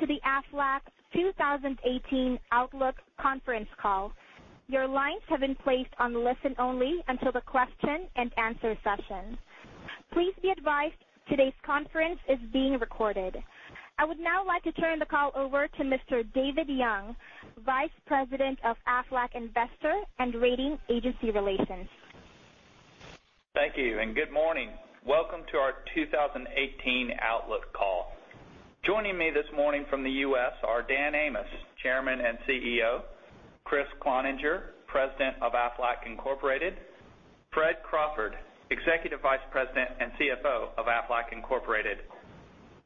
Welcome to the Aflac 2018 Outlook conference call. Your lines have been placed on listen only until the question and answer session. Please be advised today's conference is being recorded. I would now like to turn the call over to Mr. David Young, Vice President of Aflac Investor and Rating Agency Relations. Thank you. Good morning. Welcome to our 2018 Outlook call. Joining me this morning from the U.S. are Dan Amos, Chairman and CEO, Kriss Cloninger, President of Aflac Incorporated, Fred Crawford, Executive Vice President and CFO of Aflac Incorporated,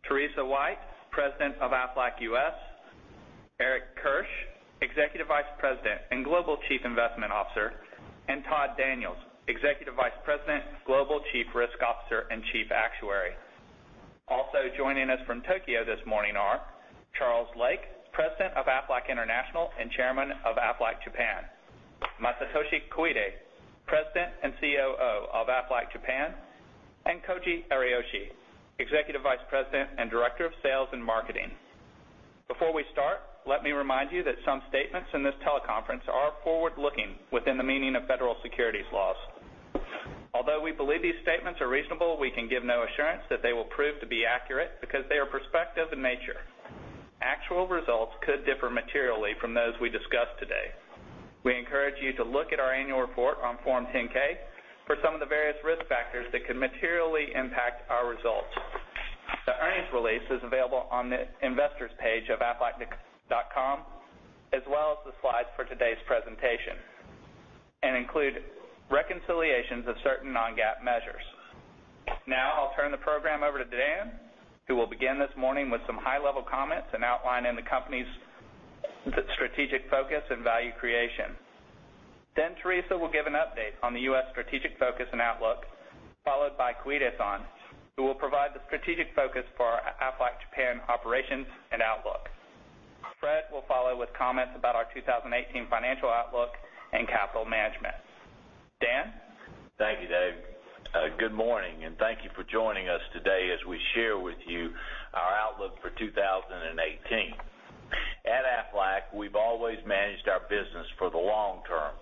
Teresa White, President of Aflac U.S., Eric Kirsch, Executive Vice President and Global Chief Investment Officer, and Todd Daniels, Executive Vice President, Global Chief Risk Officer and Chief Actuary. Also joining us from Tokyo this morning are Charles Lake, President of Aflac International and Chairman of Aflac Japan, Masatoshi Koide, President and COO of Aflac Japan, and Koji Ariyoshi, Executive Vice President and Director of Sales and Marketing. Before we start, let me remind you that some statements in this teleconference are forward-looking within the meaning of federal securities laws. Although we believe these statements are reasonable, we can give no assurance that they will prove to be accurate because they are prospective in nature. Actual results could differ materially from those we discuss today. We encourage you to look at our annual report on Form 10-K for some of the various risk factors that could materially impact our results. The earnings release is available on the investors page of aflac.com, as well as the slides for today's presentation and include reconciliations of certain non-GAAP measures. I'll turn the program over to Dan, who will begin this morning with some high-level comments and outline the company's strategic focus and value creation. Teresa will give an update on the U.S. strategic focus and outlook, followed by Koide-san, who will provide the strategic focus for our Aflac Japan operations and outlook. Fred will follow with comments about our 2018 financial outlook and capital management. Dan? Thank you, Dave. Good morning, and thank you for joining us today as we share with you our outlook for 2018. At Aflac, we've always managed our business for the long term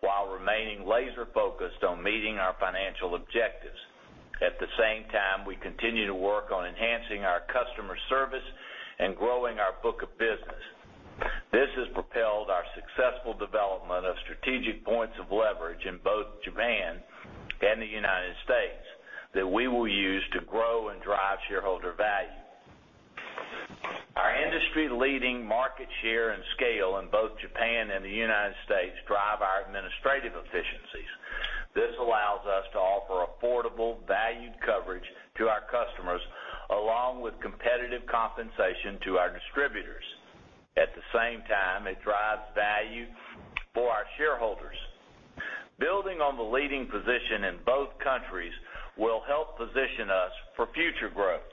while remaining laser focused on meeting our financial objectives. At the same time, we continue to work on enhancing our customer service and growing our book of business. This has propelled our successful development of strategic points of leverage in both Japan and the U.S. that we will use to grow and drive shareholder value. Our industry-leading market share and scale in both Japan and the U.S. drive our administrative efficiencies. This allows us to offer affordable valued coverage to our customers, along with competitive compensation to our distributors. At the same time, it drives value for our shareholders. Building on the leading position in both countries will help position us for future growth.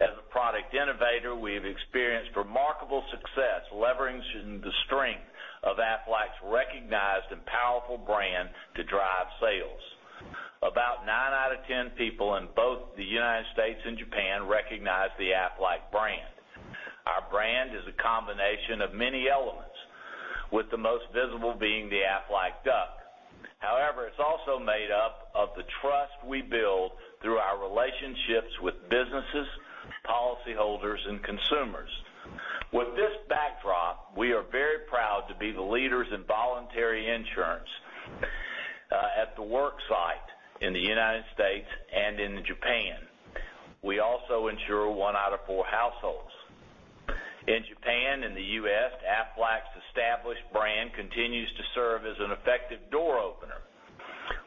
As a product innovator, we have experienced remarkable success leveraging the strength of Aflac's recognized and powerful brand to drive sales. About nine out of 10 people in both the U.S. and Japan recognize the Aflac brand. Our brand is a combination of many elements, with the most visible being the Aflac Duck. However, it's also made up of the trust we build through our relationships with businesses, policyholders, and consumers. With this backdrop, we are very proud to be the leaders in voluntary insurance at the worksite in the U.S. and in Japan. We also insure one out of four households. In Japan and the U.S., Aflac's established brand continues to serve as an effective door opener.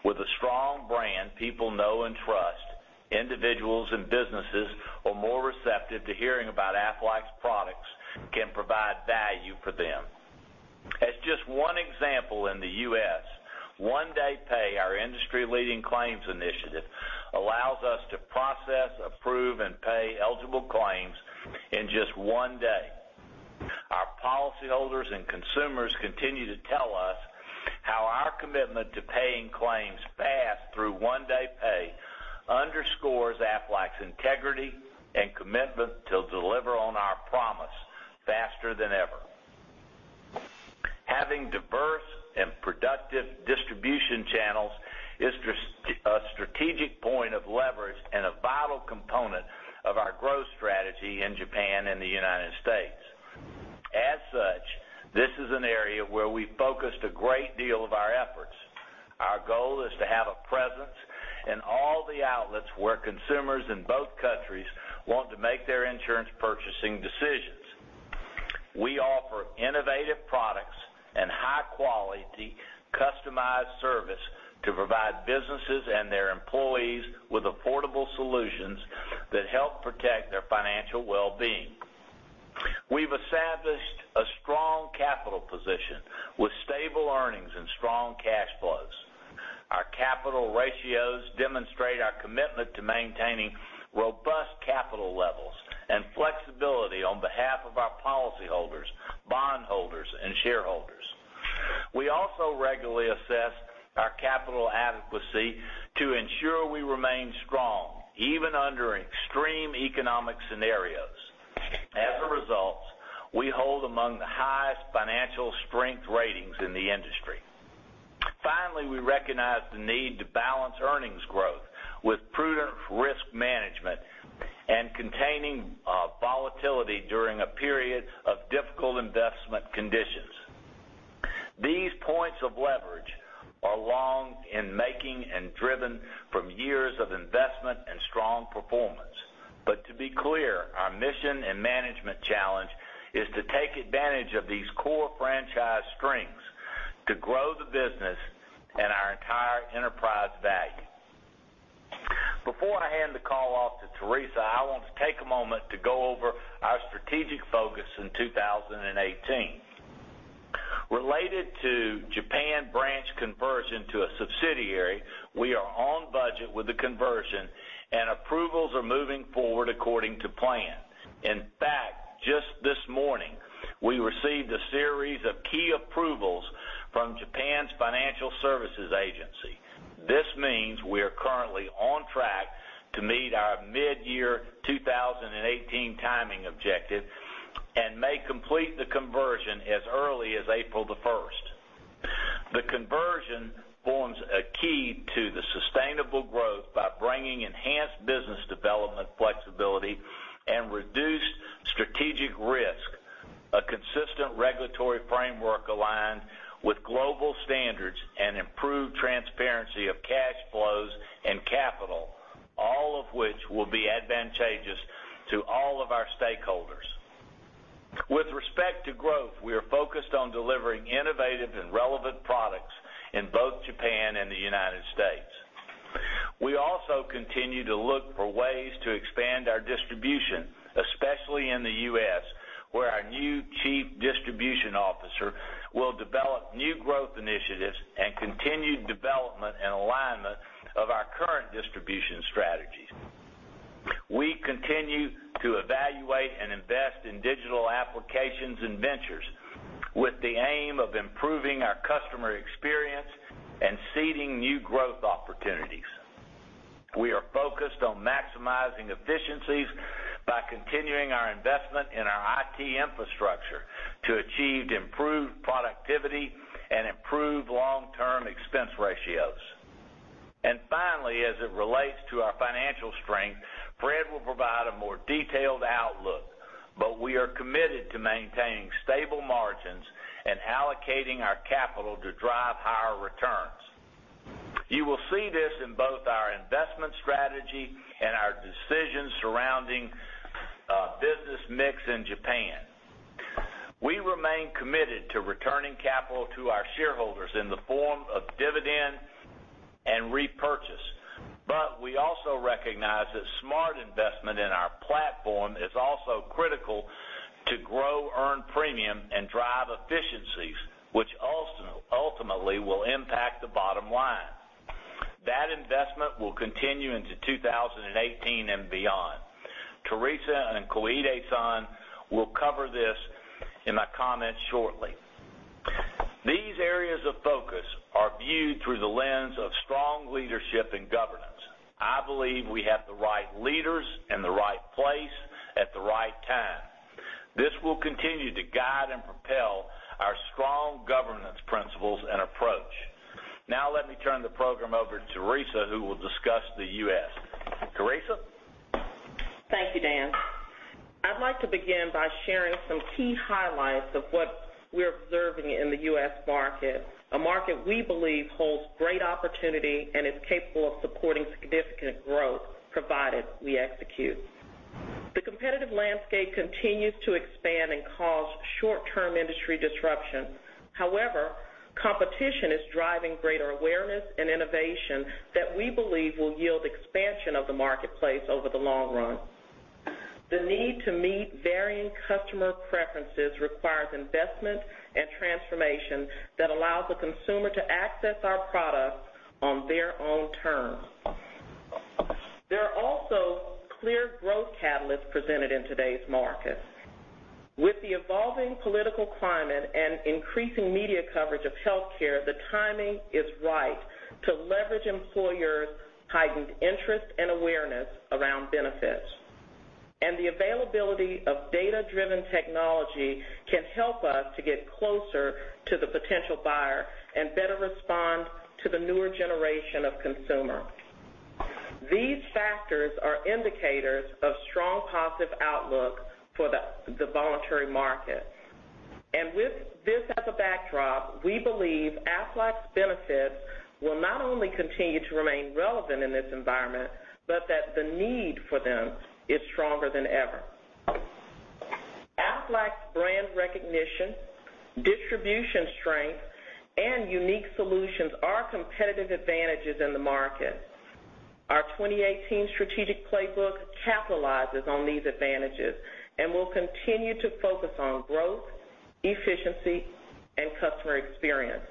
With a strong brand people know and trust, individuals and businesses are more receptive to hearing about Aflac's products can provide value for them. As just one example in the U.S., One Day Pay, our industry-leading claims initiative, allows us to process, approve, and pay eligible claims in just one day. Our policyholders and consumers continue to tell us how our commitment to paying claims fast through One Day Pay underscores Aflac's integrity and commitment to deliver on our promise faster than ever. Having diverse and productive distribution channels is a strategic point of leverage and a vital component of our growth strategy in Japan and the U.S. As such, this is an area where we focused a great deal of our efforts. Our goal is to have a presence in all the outlets where consumers in both countries want to make their insurance purchasing decisions. We offer innovative products and high-quality customized service to provide businesses and their employees with affordable solutions that help protect their financial well-being. We've established a strong capital position with stable earnings and strong cash flows. Our capital ratios demonstrate our commitment to maintaining robust capital levels and flexibility on behalf of our policyholders, bondholders, and shareholders. We also regularly assess our capital adequacy to ensure we remain strong even under extreme economic scenarios. As a result, we hold among the highest financial strength ratings in the industry. Finally, we recognize the need to balance earnings growth with prudent risk management and containing volatility during a period of difficult investment conditions. These points of leverage are long in making and driven from years of investment and strong performance. To be clear, our mission and management challenge is to take advantage of these core franchise strengths to grow the business and our entire enterprise value. Before I hand the call off to Teresa, I want to take a moment to go over our strategic focus in 2018. Related to Japan branch conversion to a subsidiary, we are on budget with the conversion and approvals are moving forward according to plan. In fact, just this morning, we received a series of key approvals from Japan's Financial Services Agency. This means we are currently on track to meet our midyear 2018 timing objective and may complete the conversion as early as April the 1st. The conversion forms a key to the sustainable growth by bringing enhanced business development flexibility and reduced strategic risk, a consistent regulatory framework aligned with global standards, and improved transparency of cash flows and capital, all of which will be advantageous to all of our stakeholders. With respect to growth, we are focused on delivering innovative and relevant products in both Japan and the U.S. We also continue to look for ways to expand our distribution, especially in the U.S., where our new chief distribution officer will develop new growth initiatives and continued development and alignment of our current distribution strategies. We continue to evaluate and invest in digital applications and ventures with the aim of improving our customer experience and seeding new growth opportunities. We are focused on maximizing efficiencies by continuing our investment in our IT infrastructure to achieve improved productivity and improve long-term expense ratios. Finally, as it relates to our financial strength, Fred will provide a more detailed outlook, but we are committed to maintaining stable margins and allocating our capital to drive higher returns. You will see this in both our investment strategy and our decisions surrounding business mix in Japan. We remain committed to returning capital to our shareholders in the form of dividend and repurchase. We also recognize that smart investment in our platform is also critical to grow earned premium and drive efficiencies, which ultimately will impact the bottom line. That investment will continue into 2018 and beyond. Teresa and Koide-san will cover this in my comments shortly. These areas of focus are viewed through the lens of strong leadership and governance. I believe we have the right leaders in the right place at the right time. This will continue to guide and propel our strong governance principles and approach. Now let me turn the program over to Teresa, who will discuss the U.S. Teresa? Thank you, Dan. I'd like to begin by sharing some key highlights of what we're observing in the U.S. market, a market we believe holds great opportunity and is capable of supporting significant growth, provided we execute. The competitive landscape continues to expand and cause short-term industry disruption. However, competition is driving greater awareness and innovation that we believe will yield expansion of the marketplace over the long run. The need to meet varying customer preferences requires investment and transformation that allows the consumer to access our products on their own terms. There are also clear growth catalysts presented in today's market. With the evolving political climate and increasing media coverage of healthcare, the timing is right to leverage employers' heightened interest and awareness around benefits. The availability of data-driven technology can help us to get closer to the potential buyer and better respond to the newer generation of consumer. These factors are indicators of strong positive outlook for the voluntary markets. With this as a backdrop, we believe Aflac's benefits will not only continue to remain relevant in this environment, but that the need for them is stronger than ever. Aflac's brand recognition, distribution strength, and unique solutions are competitive advantages in the market. Our 2018 strategic playbook capitalizes on these advantages and will continue to focus on growth, efficiency, and customer experience.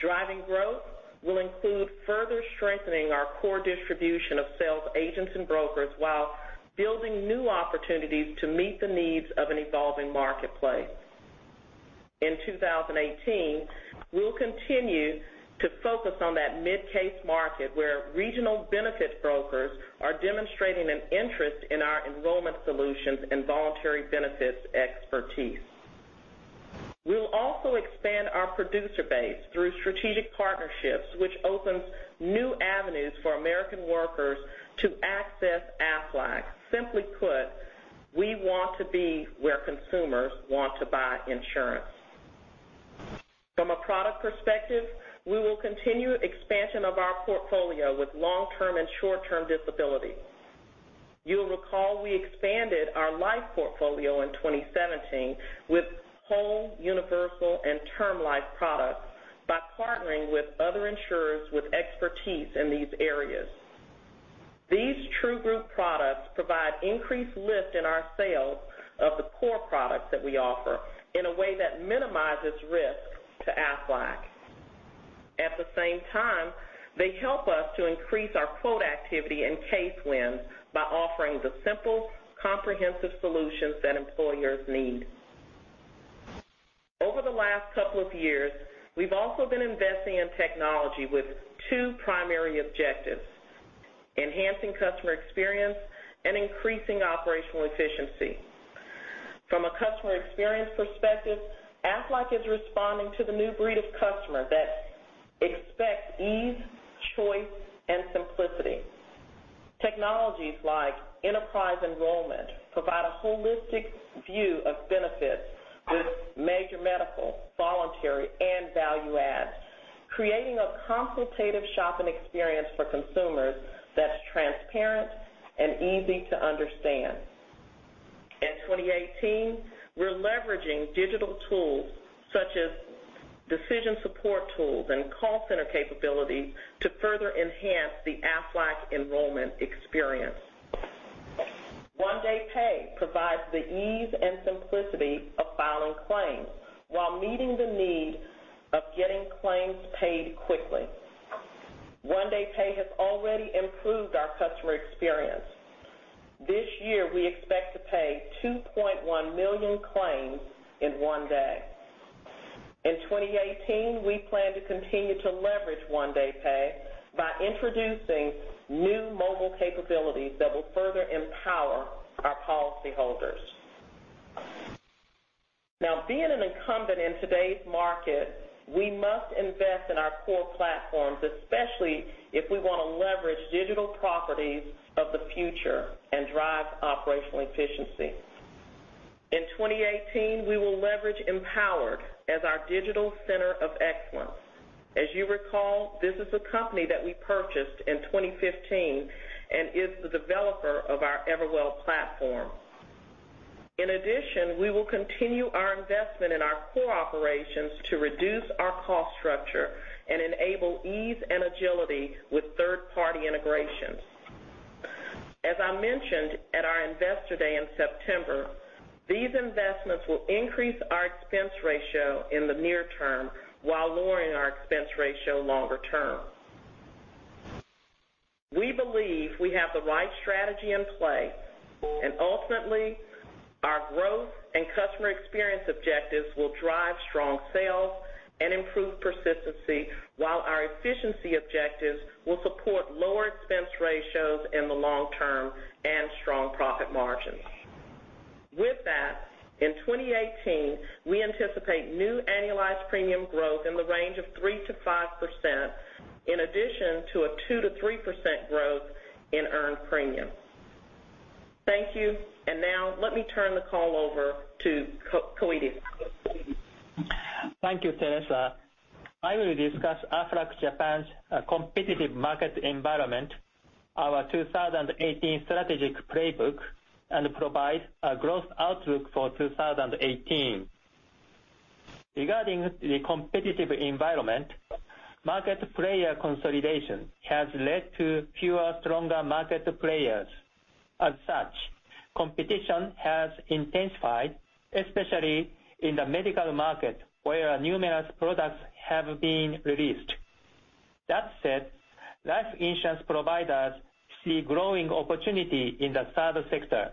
Driving growth will include further strengthening our core distribution of sales agents and brokers while building new opportunities to meet the needs of an evolving marketplace. In 2018, we'll continue to focus on that mid-case market, where regional benefits brokers are demonstrating an interest in our enrollment solutions and voluntary benefits expertise. We'll also expand our producer base through strategic partnerships, which opens new avenues for American workers to access Aflac. Simply put, we want to be where consumers want to buy insurance. From a product perspective, we will continue expansion of our portfolio with long-term and short-term disability. You'll recall we expanded our life portfolio in 2017 with whole, universal, and term life products by partnering with other insurers with expertise in these areas. These true group products provide increased lift in our sales of the core products that we offer in a way that minimizes risk to Aflac. At the same time, they help us to increase our quote activity and case wins by offering the simple, comprehensive solutions that employers need. Over the last couple of years, we've also been investing in technology with two primary objectives, enhancing customer experience and increasing operational efficiency. From a customer experience perspective, Aflac is responding to the new breed of customer that expects ease, choice, and simplicity. Technologies like enterprise enrollment provide a holistic view of benefits with major medical, voluntary, and value-add, creating a consultative shopping experience for consumers that's transparent and easy to understand. In 2018, we're leveraging digital tools such as decision support tools and call center capabilities to further enhance the Aflac enrollment experience. One-Day Pay provides the ease and simplicity of filing claims while meeting the need of getting claims paid quickly. One-Day Pay has already improved our customer experience. This year, we expect to pay 2.1 million claims in one day. In 2018, we plan to continue to leverage One-Day Pay by introducing new mobile capabilities that will further empower our policyholders. Now, being an incumbent in today's market, we must invest in our core platforms, especially if we want to leverage digital properties of the future and drive operational efficiency. In 2018, we will leverage Empowered as our digital center of excellence. As you recall, this is a company that we purchased in 2015 and is the developer of our Everwell platform. In addition, we will continue our investment in our core operations to reduce our cost structure and enable ease and agility with third-party integrations. As I mentioned at our investor day in September, these investments will increase our expense ratio in the near term while lowering our expense ratio longer term. We believe we have the right strategy in play, ultimately, our growth and customer experience objectives will drive strong sales and improve persistency while our efficiency objectives will support lower expense ratios in the long term and strong profit margins. With that, in 2018, we anticipate new annualized premium growth in the range of 3%-5%, in addition to a 2%-3% growth in earned premium. Thank you. Now let me turn the call over to Koide. Thank you, Teresa. I will discuss Aflac Japan's competitive market environment, our 2018 strategic playbook, and provide a growth outlook for 2018. Regarding the competitive environment, market player consolidation has led to fewer, stronger market players. As such, competition has intensified, especially in the medical market, where numerous products have been released. That said, life insurance providers see growing opportunity in the service sector,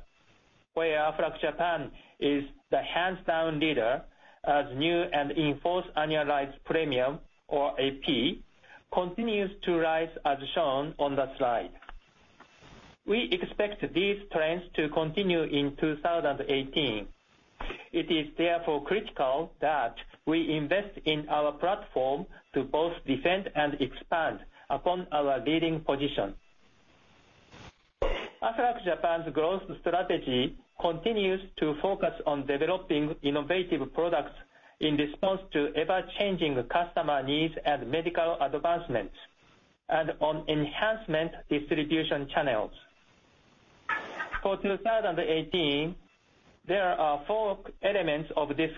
where Aflac Japan is the hands-down leader as new and in-force annualized premium or AP continues to rise as shown on the slide. We expect these trends to continue in 2018. It is therefore critical that we invest in our platform to both defend and expand upon our leading position. Aflac Japan's growth strategy continues to focus on developing innovative products in response to ever-changing customer needs and medical advancements, and on enhancement distribution channels. For 2018, there are four elements of this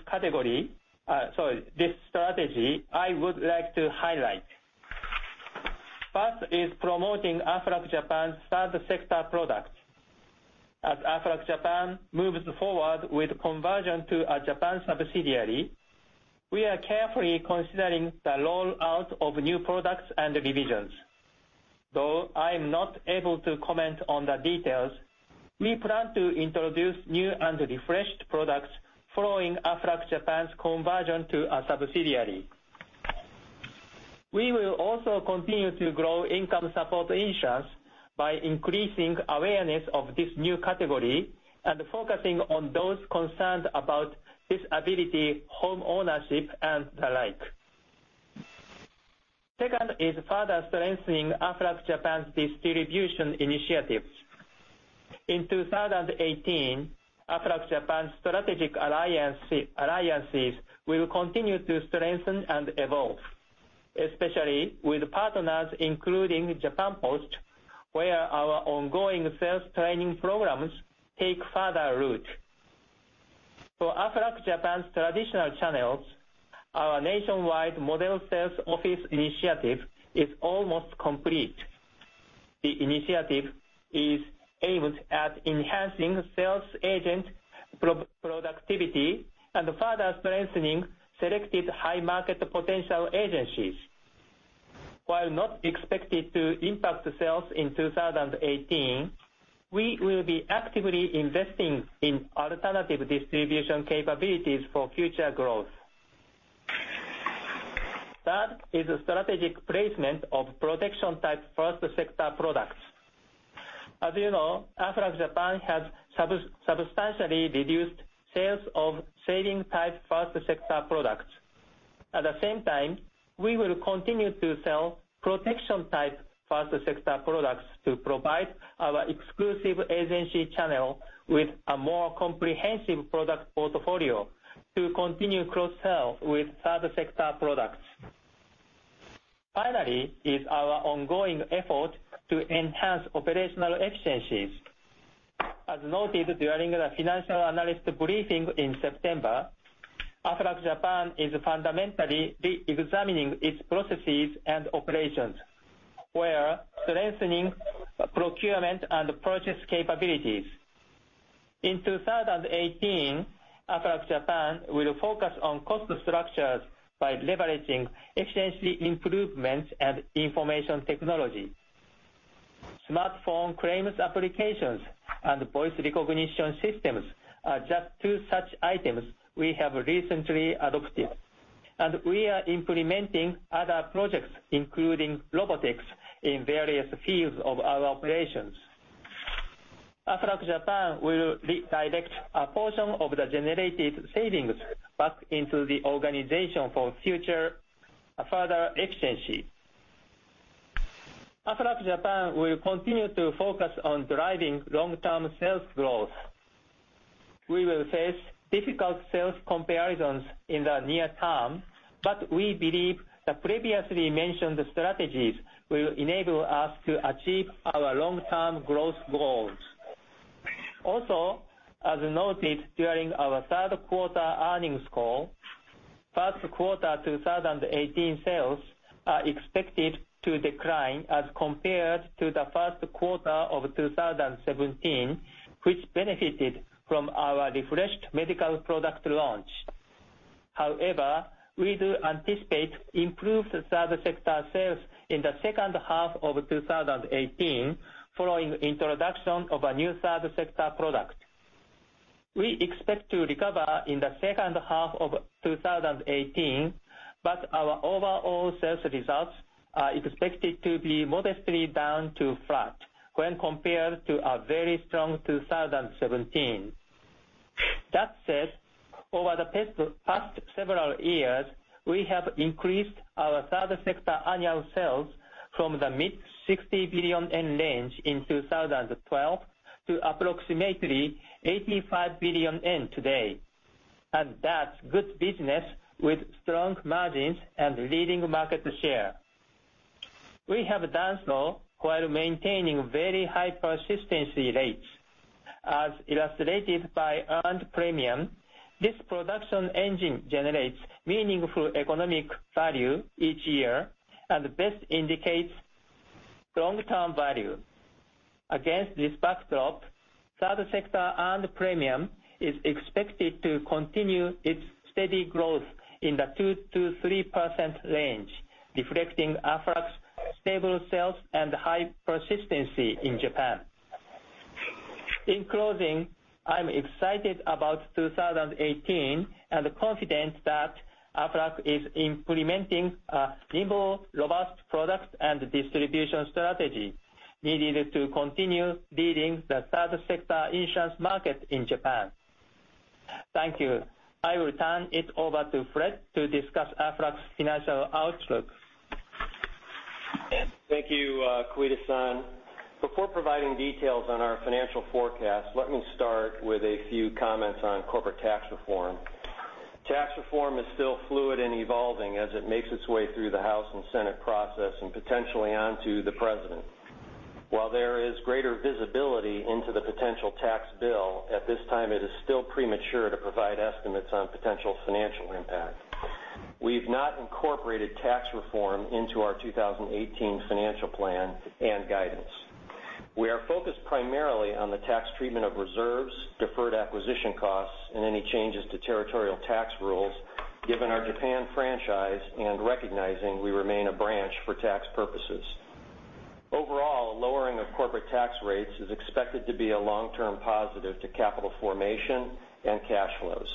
strategy I would like to highlight. That is promoting Aflac Japan's third sector products. As Aflac Japan moves forward with conversion to a Japan subsidiary, we are carefully considering the rollout of new products and divisions. Though I am not able to comment on the details, we plan to introduce new and refreshed products following Aflac Japan's conversion to a subsidiary. We will also continue to grow Income Support Insurance by increasing awareness of this new category and focusing on those concerned about disability, home ownership, and the like. Second is further strengthening Aflac Japan's distribution initiatives. In 2018, Aflac Japan's strategic alliances will continue to strengthen and evolve, especially with partners including Japan Post, where our ongoing sales training programs take further root. For Aflac Japan's traditional channels, our nationwide model sales office initiative is almost complete. The initiative is aimed at enhancing sales agent productivity and further strengthening selected high-market potential agencies. While not expected to impact sales in 2018, we will be actively investing in alternative distribution capabilities for future growth. Third is the strategic placement of protection type first sector products. As you know, Aflac Japan has substantially reduced sales of saving type first sector products. At the same time, we will continue to sell protection type first sector products to provide our exclusive agency channel with a more comprehensive product portfolio to continue cross-sell with third sector products. Finally is our ongoing effort to enhance operational efficiencies. As noted during the financial analyst briefing in September, Aflac Japan is fundamentally re-examining its processes and operations, where strengthening procurement and purchase capabilities. In 2018, Aflac Japan will focus on cost structures by leveraging efficiency improvements and information technology. Smartphone claims applications and voice recognition systems are just two such items we have recently adopted, and we are implementing other projects, including robotics, in various fields of our operations. Aflac Japan will redirect a portion of the generated savings back into the organization for future further efficiency. Aflac Japan will continue to focus on driving long-term sales growth. We will face difficult sales comparisons in the near term, but we believe the previously mentioned strategies will enable us to achieve our long-term growth goals. Also, as noted during our third quarter earnings call, first quarter 2018 sales are expected to decline as compared to the first quarter of 2017, which benefited from our refreshed medical product launch. However, we do anticipate improved third sector sales in the second half of 2018 following introduction of a new third sector product. We expect to recover in the second half of 2018, but our overall sales results are expected to be modestly down to flat when compared to a very strong 2017. That said, over the past several years, we have increased our third sector annual sales from the mid 60 billion yen range in 2012 to approximately 85 billion yen today. That's good business with strong margins and leading market share. We have done so while maintaining very high persistency rates. As illustrated by earned premium, this production engine generates meaningful economic value each year, and this indicates long-term value. Against this backdrop, third sector earned premium is expected to continue its steady growth in the 2%-3% range, reflecting Aflac's stable sales and high persistency in Japan. In closing, I'm excited about 2018 and confident that Aflac is implementing a nimble, robust product and distribution strategy needed to continue leading the third sector insurance market in Japan. Thank you. I will turn it over to Fred to discuss Aflac's financial outlook. Thank you, Koide-san. Before providing details on our financial forecast, let me start with a few comments on corporate tax reform. Tax reform is still fluid and evolving as it makes its way through the House and Senate process, and potentially onto the president. While there is greater visibility into the potential tax bill, at this time it is still premature to provide estimates on potential financial impact. We've not incorporated tax reform into our 2018 financial plan and guidance. We are focused primarily on the tax treatment of reserves, deferred acquisition costs, and any changes to territorial tax rules, given our Japan franchise and recognizing we remain a branch for tax purposes. Overall, lowering of corporate tax rates is expected to be a long-term positive to capital formation and cash flows.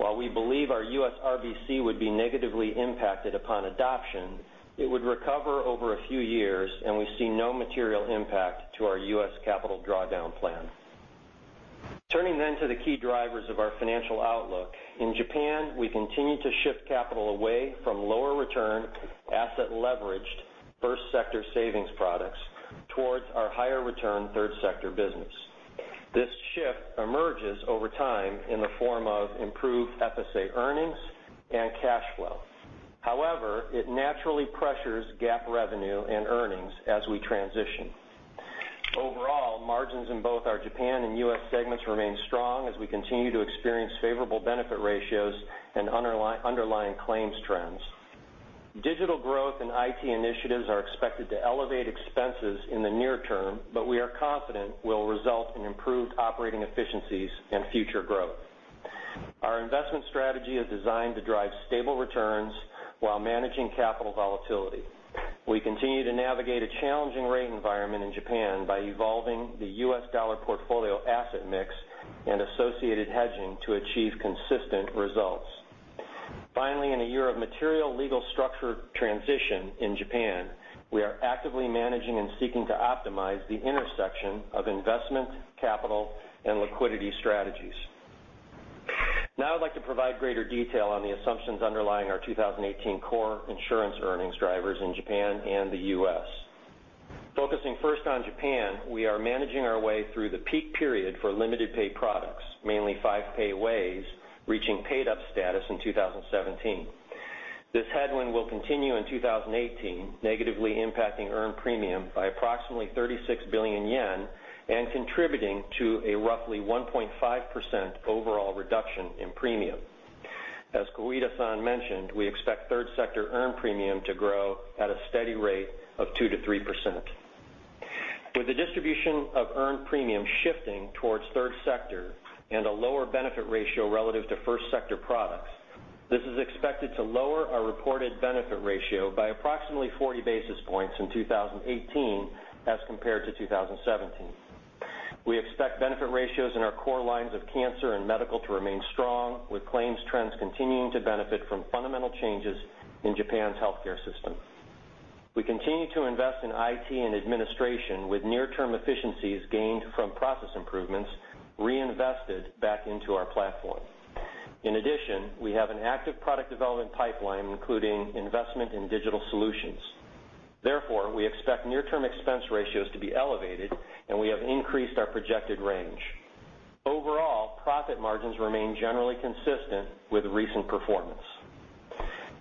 While we believe our U.S. RBC would be negatively impacted upon adoption, it would recover over a few years, and we see no material impact to our U.S. capital drawdown plan. Turning to the key drivers of our financial outlook. In Japan, we continue to shift capital away from lower return, asset-leveraged, first sector savings products towards our higher return third sector business. This shift emerges over time in the form of improved FSA earnings and cash flow. It naturally pressures GAAP revenue and earnings as we transition. Overall, margins in both our Japan and U.S. segments remain strong as we continue to experience favorable benefit ratios and underlying claims trends. Digital growth and IT initiatives are expected to elevate expenses in the near term, but we are confident will result in improved operating efficiencies and future growth. Our investment strategy is designed to drive stable returns while managing capital volatility. We continue to navigate a challenging rate environment in Japan by evolving the U.S. dollar portfolio asset mix and associated hedging to achieve consistent results. Finally, in a year of material legal structure transition in Japan, we are actively managing and seeking to optimize the intersection of investment, capital, and liquidity strategies. I'd like to provide greater detail on the assumptions underlying our 2018 core insurance earnings drivers in Japan and the U.S. Focusing first on Japan, we are managing our way through the peak period for limited pay products, mainly five pay WAYS, reaching paid-up status in 2017. This headwind will continue in 2018, negatively impacting earned premium by approximately 36 billion yen and contributing to a roughly 1.5% overall reduction in premium. As Koide-san mentioned, we expect third sector earned premium to grow at a steady rate of 2% to 3%. With the distribution of earned premium shifting towards third sector and a lower benefit ratio relative to first sector products, this is expected to lower our reported benefit ratio by approximately 40 basis points in 2018 as compared to 2017. We expect benefit ratios in our core lines of cancer and medical to remain strong, with claims trends continuing to benefit from fundamental changes in Japan's healthcare system. We continue to invest in IT and administration with near-term efficiencies gained from process improvements reinvested back into our platform. We have an active product development pipeline, including investment in digital solutions. We expect near-term expense ratios to be elevated, and we have increased our projected range. Profit margins remain generally consistent with recent performance.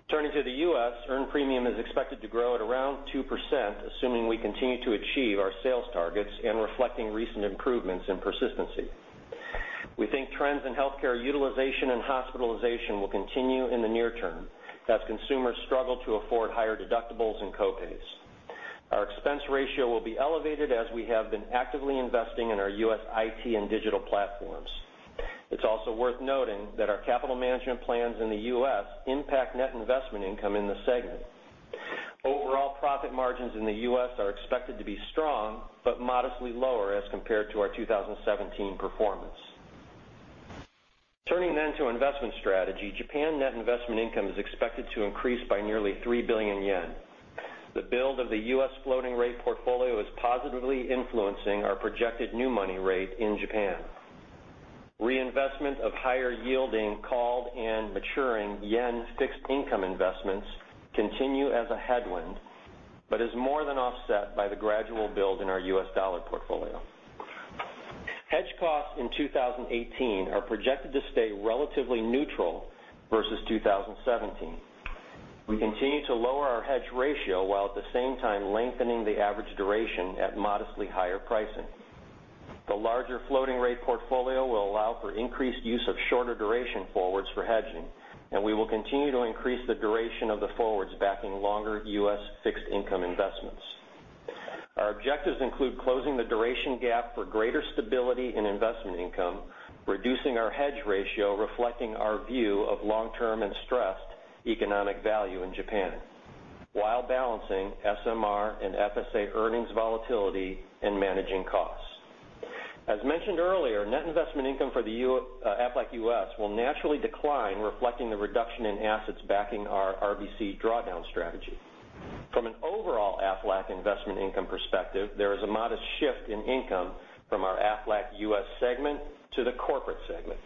Turning to the U.S., earned premium is expected to grow at around 2%, assuming we continue to achieve our sales targets and reflecting recent improvements in persistency. We think trends in healthcare utilization and hospitalization will continue in the near term as consumers struggle to afford higher deductibles and co-pays. Our expense ratio will be elevated as we have been actively investing in our U.S. IT and digital platforms. It's also worth noting that our capital management plans in the U.S. impact net investment income in the segment. Profit margins in the U.S. are expected to be strong, but modestly lower as compared to our 2017 performance. Turning to investment strategy, Japan net investment income is expected to increase by nearly 3 billion yen. The build of the U.S. floating rate portfolio is positively influencing our projected new money rate in Japan. Reinvestment of higher yielding called and maturing JPY fixed income investments continue as a headwind, but is more than offset by the gradual build in our U.S. dollar portfolio. Hedge costs in 2018 are projected to stay relatively neutral versus 2017. We continue to lower our hedge ratio while at the same time lengthening the average duration at modestly higher pricing. The larger floating rate portfolio will allow for increased use of shorter duration forwards for hedging, and we will continue to increase the duration of the forwards backing longer U.S. fixed income investments. Our objectives include closing the duration gap for greater stability in investment income, reducing our hedge ratio reflecting our view of long-term and stressed economic value in Japan, while balancing SMR and FSA earnings volatility and managing costs. As mentioned earlier, net investment income for the Aflac U.S. will naturally decline, reflecting the reduction in assets backing our RBC drawdown strategy. From an overall Aflac investment income perspective, there is a modest shift in income from our Aflac U.S. segment to the corporate segment.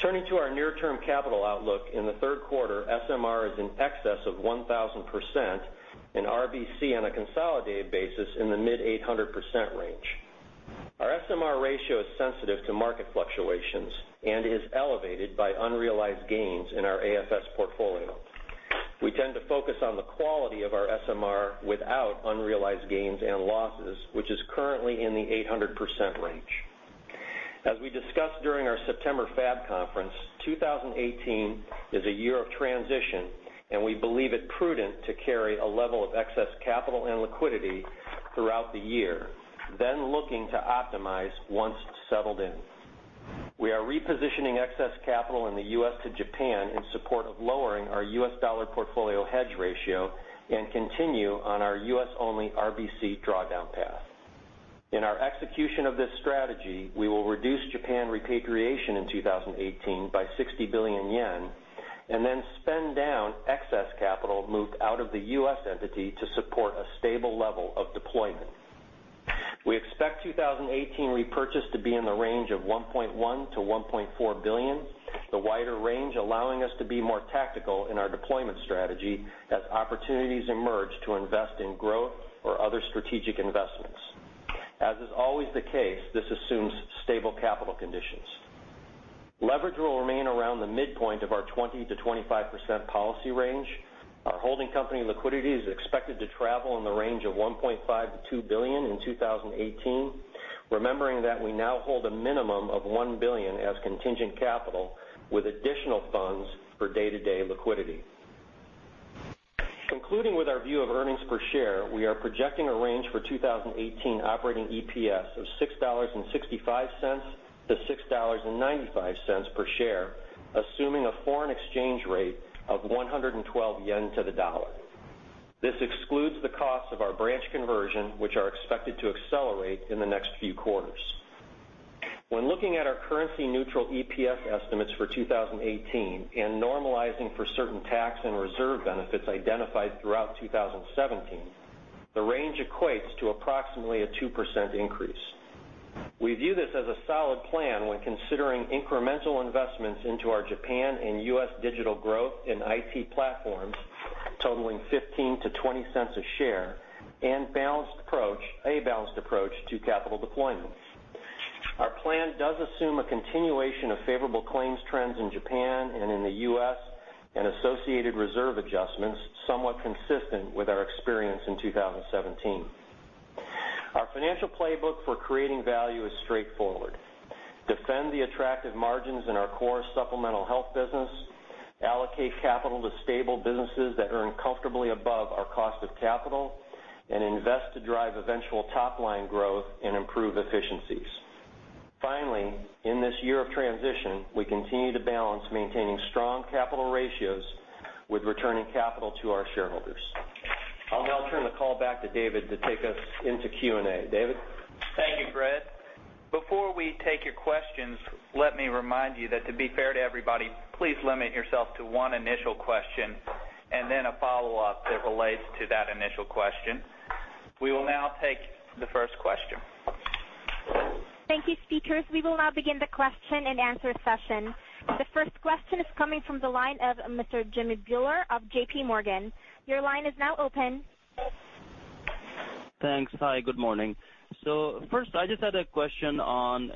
Turning to our near-term capital outlook, in the third quarter, SMR is in excess of 1,000%, and RBC on a consolidated basis in the mid 800% range. Our SMR ratio is sensitive to market fluctuations and is elevated by unrealized gains in our AFS portfolio. We tend to focus on the quality of our SMR without unrealized gains and losses, which is currently in the 800% range. As we discussed during our September FAB conference, 2018 is a year of transition, and we believe it prudent to carry a level of excess capital and liquidity throughout the year, then looking to optimize once settled in. We are repositioning excess capital in the U.S. to Japan in support of lowering our U.S. dollar portfolio hedge ratio and continue on our U.S.-only RBC drawdown path. In our execution of this strategy, we will reduce Japan repatriation in 2018 by 60 billion yen, and then spend down excess capital moved out of the U.S. entity to support a stable level of deployment. We expect 2018 repurchase to be in the range of $1.1 billion-$1.4 billion, the wider range allowing us to be more tactical in our deployment strategy as opportunities emerge to invest in growth or other strategic investments. As is always the case, this assumes stable capital conditions. Leverage will remain around the midpoint of our 20%-25% policy range. Our holding company liquidity is expected to travel in the range of $1.5 billion-$2 billion in 2018, remembering that we now hold a minimum of $1 billion as contingent capital with additional funds for day-to-day liquidity. Concluding with our view of earnings per share, we are projecting a range for 2018 operating EPS of $6.65-$6.95 per share, assuming a foreign exchange rate of 112 yen to the dollar. This excludes the cost of our branch conversion, which are expected to accelerate in the next few quarters. When looking at our currency-neutral EPS estimates for 2018 and normalizing for certain tax and reserve benefits identified throughout 2017, the range equates to approximately a 2% increase. We view this as a solid plan when considering incremental investments into our Japan and U.S. digital growth in IT platforms totaling $0.15 to $0.20 a share, and a balanced approach to capital deployment. Our plan does assume a continuation of favorable claims trends in Japan and in the U.S. and associated reserve adjustments somewhat consistent with our experience in 2017. Our financial playbook for creating value is straightforward. Defend the attractive margins in our core supplemental health business, allocate capital to stable businesses that earn comfortably above our cost of capital, and invest to drive eventual top-line growth and improve efficiencies. Finally, in this year of transition, we continue to balance maintaining strong capital ratios with returning capital to our shareholders. I'll now turn the call back to David to take us into Q&A. David? Thank you, Fred. Before we take your questions, let me remind you that to be fair to everybody, please limit yourself to one initial question and then a follow-up that relates to that initial question. We will now take the first question. Thank you, speakers. We will now begin the question and answer session. The first question is coming from the line of Mr. Jimmy Bhullar of J.P. Morgan. Your line is now open. Thanks. Hi, good morning. First, I just had a question on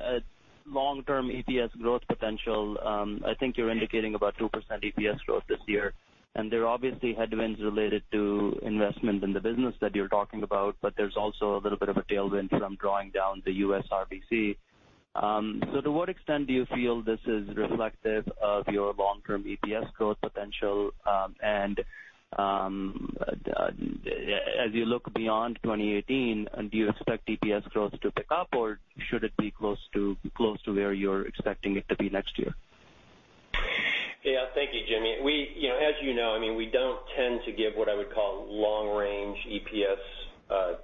long-term EPS growth potential. I think you're indicating about 2% EPS growth this year, and there are obviously headwinds related to investment in the business that you're talking about, but there's also a little bit of a tailwind from drawing down the U.S. RBC. To what extent do you feel this is reflective of your long-term EPS growth potential? As you look beyond 2018, do you expect EPS growth to pick up, or should it be close to where you're expecting it to be next year? Thank you, Jimmy. As you know, we don't tend to give what I would call long-range EPS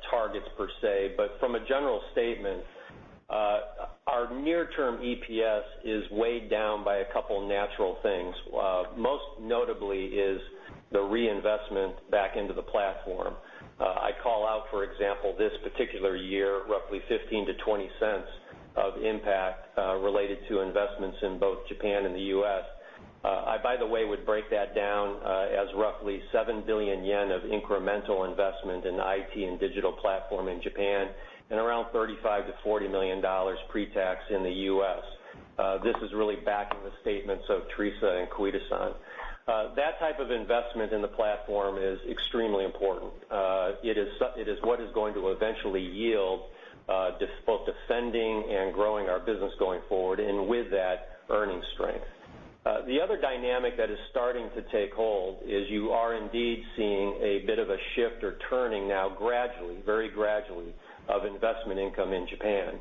targets, per se, but from a general statement, our near-term EPS is weighed down by a couple of natural things. Most notably is the reinvestment back into the platform. I call out, for example, this particular year, roughly $0.15-$0.20 of impact related to investments in both Japan and the U.S. I, by the way, would break that down as roughly 7 billion yen of incremental investment in IT and digital platform in Japan and around $35 million-$40 million pre-tax in the U.S. This is really backing the statements of Teresa and Koide-san. That type of investment in the platform is extremely important. It is what is going to eventually yield both defending and growing our business going forward, and with that, earning strength. The other dynamic that is starting to take hold is you are indeed seeing a bit of a shift or turning now gradually, very gradually, of investment income in Japan.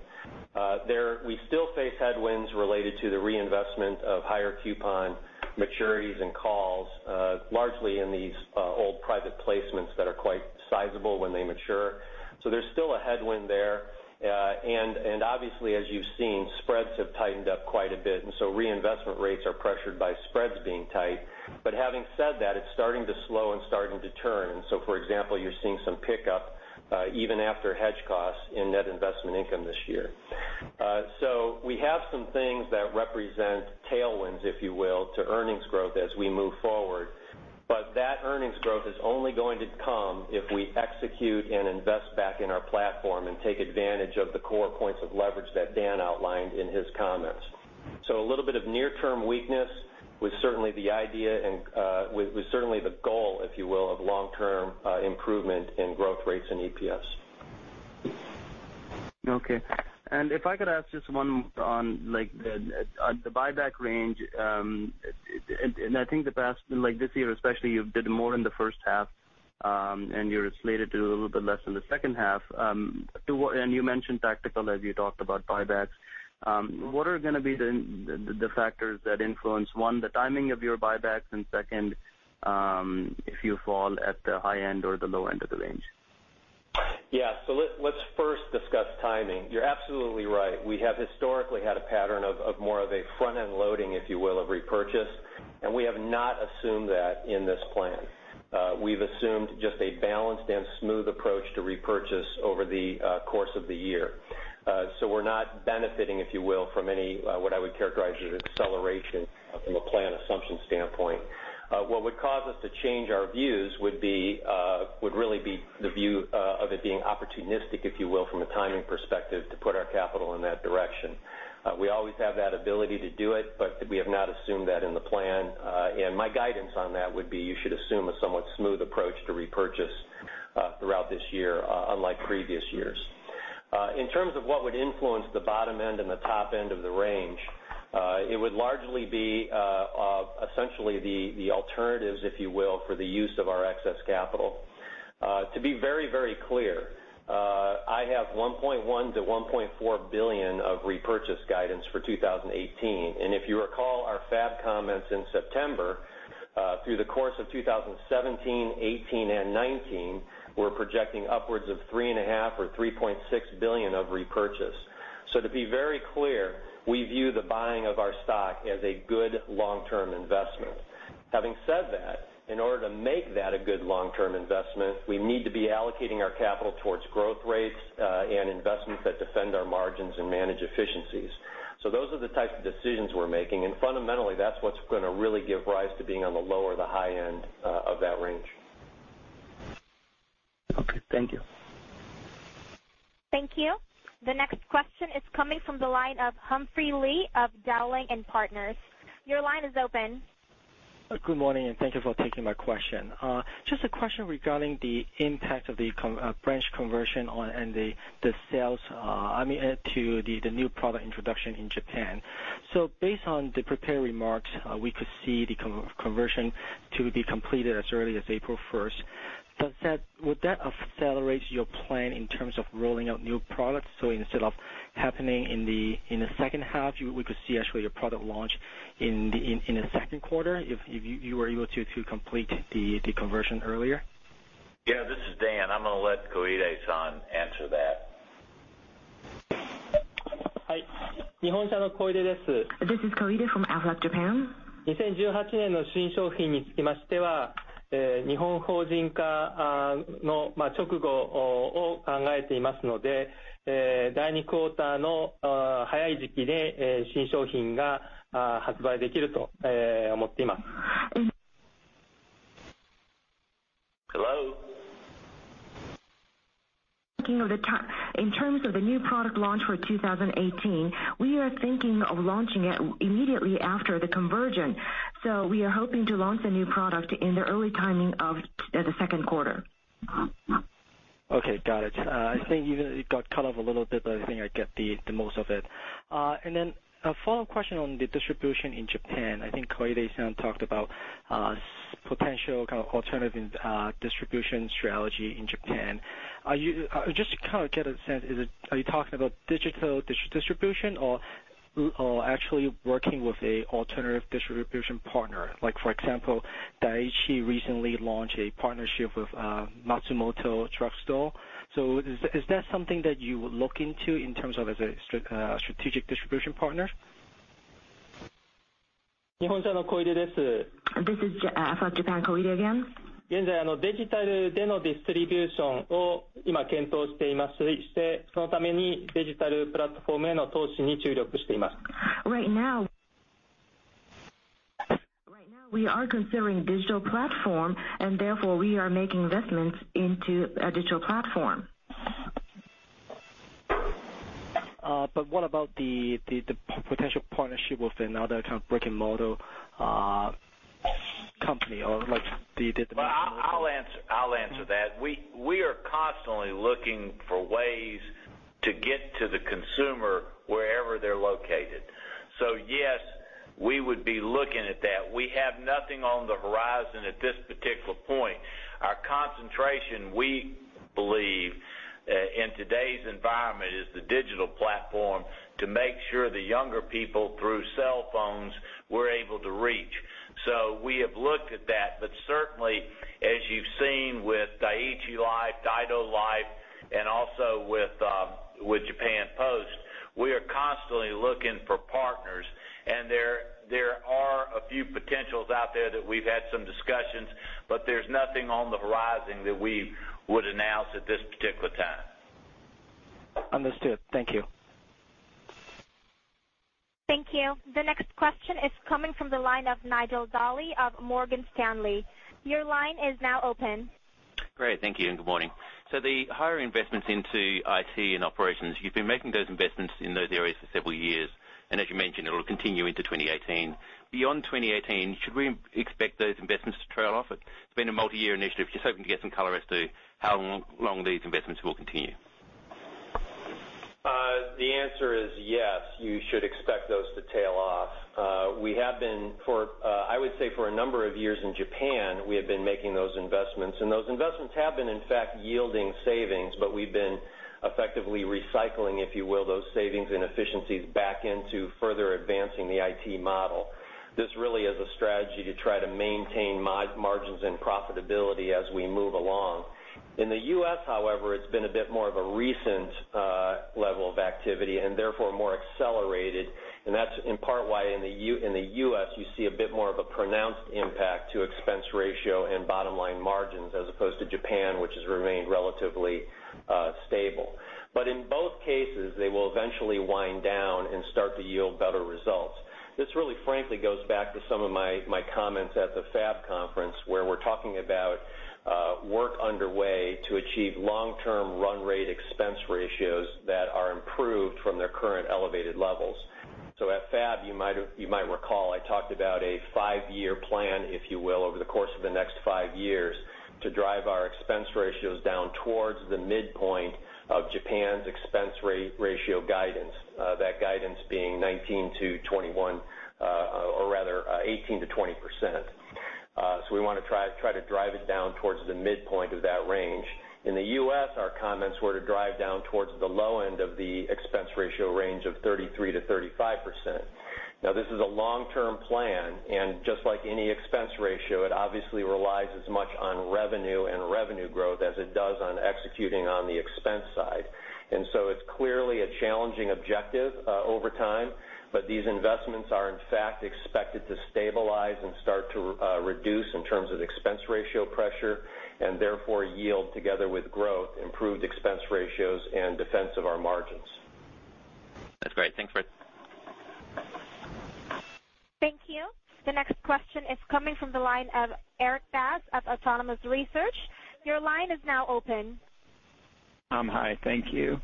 We still face headwinds related to the reinvestment of higher coupon maturities and calls, largely in these old private placements that are quite sizable when they mature. There's still a headwind there. Obviously, as you've seen, spreads have tightened up quite a bit, reinvestment rates are pressured by spreads being tight. Having said that, it's starting to slow and starting to turn. For example, you're seeing some pickup even after hedge costs in net investment income this year. We have some things that represent tailwinds, if you will, to earnings growth as we move forward. That earnings growth is only going to come if we execute and invest back in our platform and take advantage of the core points of leverage that Dan outlined in his comments. A little bit of near-term weakness was certainly the idea and was certainly the goal, if you will, of long-term improvement in growth rates and EPS. Okay. If I could ask just one more on the buyback range. I think this year especially, you did more in the first half, and you're slated to do a little bit less in the second half. You mentioned tactical as you talked about buybacks. What are going to be the factors that influence, one, the timing of your buybacks, and second, if you fall at the high end or the low end of the range? Yeah. Let's first discuss timing. You're absolutely right. We have historically had a pattern of more of a front-end loading, if you will, of repurchase, and we have not assumed that in this plan. We've assumed just a balanced and smooth approach to repurchase over the course of the year. We're not benefiting, if you will, from any, what I would characterize as acceleration from a plan assumption standpoint. What would cause us to change our views would really be the view of it being opportunistic, if you will, from a timing perspective to put our capital in that direction. We always have that ability to do it, but we have not assumed that in the plan. My guidance on that would be you should assume a somewhat smooth approach to repurchase throughout this year, unlike previous years. In terms of what would influence the bottom end and the top end of the range, it would largely be essentially the alternatives, if you will, for the use of our excess capital. To be very clear, I have $1.1 billion-$1.4 billion of repurchase guidance for 2018. If you recall our FAB comments in September, through the course of 2017, 2018, and 2019, we're projecting upwards of $3.5 billion or $3.6 billion of repurchase. To be very clear, we view the buying of our stock as a good long-term investment. Having said that, in order to make that a good long-term investment, we need to be allocating our capital towards growth rates and investments that defend our margins and manage efficiencies. Those are the types of decisions we're making, and fundamentally, that's what's going to really give rise to being on the low or the high end of that range. Okay. Thank you. Thank you. The next question is coming from the line of Humphrey Lee of Dowling & Partners. Your line is open. Good morning, and thank you for taking my question. Just a question regarding the impact of the branch conversion and the sales to the new product introduction in Japan. Based on the prepared remarks, we could see the conversion to be completed as early as April 1st. Would that accelerate your plan in terms of rolling out new products? Instead of happening in the second half, we could see actually your product launch in the second quarter if you were able to complete the conversion earlier? Yeah, this is Dan. I'm going to let Koide-san answer that. This is Koide from Aflac Japan. Hello? In terms of the new product launch for 2018, we are thinking of launching it immediately after the conversion. We are hoping to launch the new product in the early timing of the second quarter. Okay. Got it. I think it got cut off a little bit, but I think I get the most of it. A follow-up question on the distribution in Japan. I think Koide-san talked about potential kind of alternative distribution strategy in Japan. Just to kind of get a sense, are you talking about digital distribution or actually working with an alternative distribution partner? Like, for example, Dai-ichi recently launched a partnership with Matsumoto Kiyoshi. Is that something that you would look into in terms of as a strategic distribution partner? This is Aflac Japan, Koide again. Right now we are considering digital platform, and therefore we are making investments into a digital platform. What about the potential partnership with another kind of brick-and-mortar company? I'll answer that. We are constantly looking for ways to get to the consumer wherever they're located. Yes, we would be looking at that. We have nothing on the horizon at this particular point. Our concentration, we believe, in today's environment is the digital platform to make sure the younger people, through cell phones, we're able to reach. We have looked at that. Certainly as you've seen with Dai-ichi Life, Daido Life, and also with Japan Post, we are constantly looking for partners, and there are a few potentials out there that we've had some discussions, but there's nothing on the horizon that we would announce at this particular time. Understood. Thank you. Thank you. The next question is coming from the line of Nigel Dally of Morgan Stanley. Your line is now open. Great. Thank you, and good morning. The higher investments into IT and operations, you've been making those investments in those areas for several years, and as you mentioned, it'll continue into 2018. Beyond 2018, should we expect those investments to trail off? It's been a multi-year initiative. Just hoping to get some color as to how long these investments will continue. The answer is yes, you should expect those to tail off. I would say for a number of years in Japan, we have been making those investments, and those investments have been, in fact, yielding savings, but we've been effectively recycling, if you will, those savings and efficiencies back into further advancing the IT model. This really is a strategy to try to maintain margins and profitability as we move along. In the U.S., however, it's been a bit more of a recent level of activity and therefore more accelerated, and that's in part why in the U.S. you see a bit more of a pronounced impact to expense ratio and bottom-line margins as opposed to Japan, which has remained relatively stable. In both cases, they will eventually wind down and start to yield better results. This really, frankly, goes back to some of my comments at the FAB conference, where we're talking about work underway to achieve long-term run rate expense ratios that are improved from their current elevated levels. At FAB, you might recall, I talked about a five-year plan, if you will, over the course of the next five years to drive our expense ratios down towards the midpoint of Japan's expense ratio guidance, that guidance being 19%-21% or rather 18%-20%. We want to try to drive it down towards the midpoint of that range. In the U.S., our comments were to drive down towards the low end of the expense ratio range of 33%-35%. This is a long-term plan, and just like any expense ratio, it obviously relies as much on revenue and revenue growth as it does on executing on the expense side. It's clearly a challenging objective over time, but these investments are in fact expected to stabilize and start to reduce in terms of expense ratio pressure and therefore yield together with growth, improved expense ratios, and defense of our margins. That's great. Thanks, Fred. Thank you. The next question is coming from the line of Erik Bass of Autonomous Research. Your line is now open. Hi, thank you.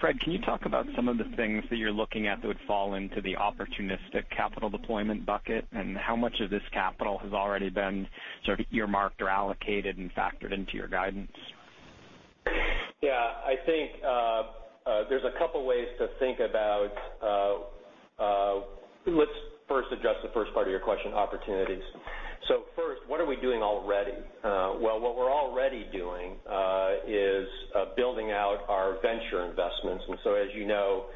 Fred, can you talk about some of the things that you're looking at that would fall into the opportunistic capital deployment bucket, and how much of this capital has already been sort of earmarked or allocated and factored into your guidance? I think there's a couple ways to think about. Let's first address the first part of your question, opportunities. First, what are we doing already? Well, what we're already doing is building out our venture investments. As you know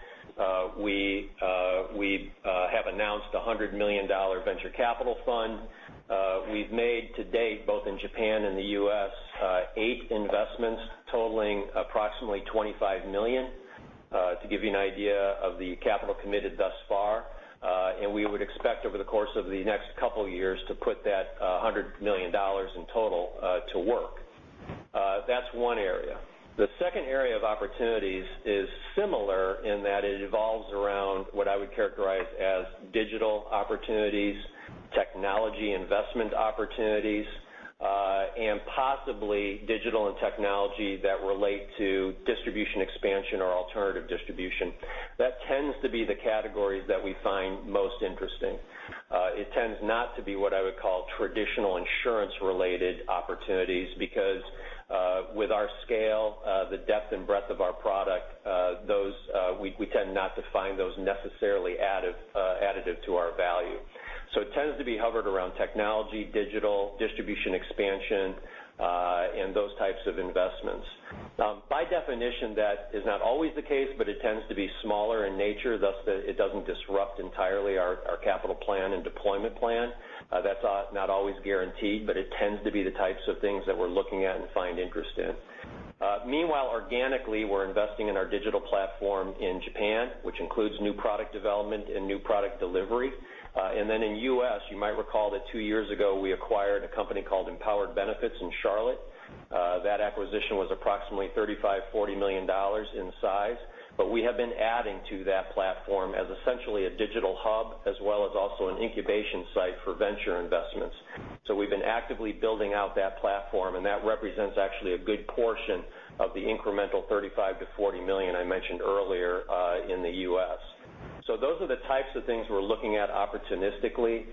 we have announced a $100 million venture capital fund. We've made to date, both in Japan and the U.S., eight investments totaling approximately $25 million, to give you an idea of the capital committed thus far. We would expect over the course of the next couple of years to put that $100 million in total to work. That's one area. The second area of opportunities is similar in that it evolves around what I would characterize as digital opportunities, technology investment opportunities, and possibly digital and technology that relate to distribution expansion or alternative distribution. That tends to be the categories that we find most interesting. It tends not to be what I would call traditional insurance-related opportunities because, with our scale, the depth and breadth of our product, we tend not to find those necessarily additive to our value. It tends to be hovered around technology, digital distribution expansion, and those types of investments. By definition, that is not always the case, but it tends to be smaller in nature, thus it doesn't disrupt entirely our capital plan and deployment plan. That's not always guaranteed, but it tends to be the types of things that we're looking at and find interest in. Meanwhile, organically, we're investing in our digital platform in Japan, which includes new product development and new product delivery. Then in U.S., you might recall that two years ago, we acquired a company called Empowered Benefits in Charlotte. That acquisition was approximately $35 million-$40 million in size, but we have been adding to that platform as essentially a digital hub as well as also an incubation site for venture investments. We've been actively building out that platform, and that represents actually a good portion of the incremental $35 million-$40 million I mentioned earlier in the U.S. Those are the types of things we're looking at opportunistically.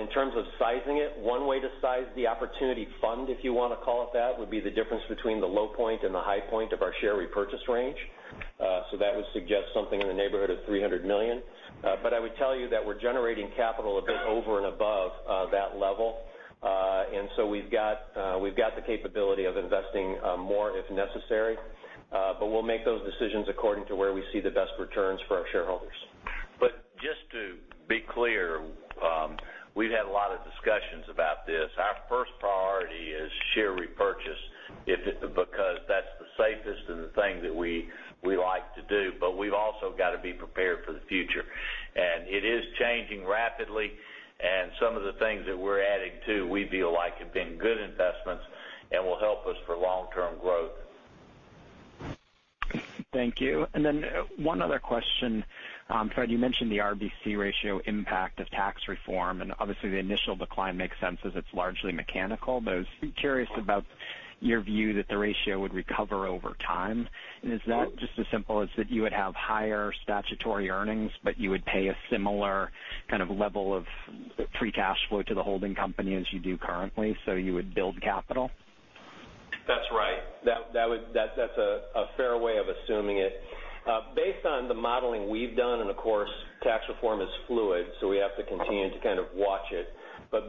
In terms of sizing it, one way to size the opportunity fund, if you want to call it that, would be the difference between the low point and the high point of our share repurchase range. That would suggest something in the neighborhood of $300 million. I would tell you that we're generating capital a bit over and above that level. We've got the capability of investing more if necessary. We'll make those decisions according to where we see the best returns for our shareholders. Just to be clear, we've had a lot of discussions about this. Our first priority is share repurchase because that's the safest and the thing that we like to do, but we've also got to be prepared for the future. It is changing rapidly, and some of the things that we're adding too, we feel like have been good investments and will help us for long-term growth. Thank you. One other question. Fred, you mentioned the RBC ratio impact of tax reform, and obviously the initial decline makes sense as it's largely mechanical. I was curious about your view that the ratio would recover over time. Is that just as simple as that you would have higher statutory earnings, but you would pay a similar kind of level of free cash flow to the holding company as you do currently, so you would build capital? That's right. That's a fair way of assuming it. Based on the modeling we've done, of course, tax reform is fluid, we have to continue to kind of watch it.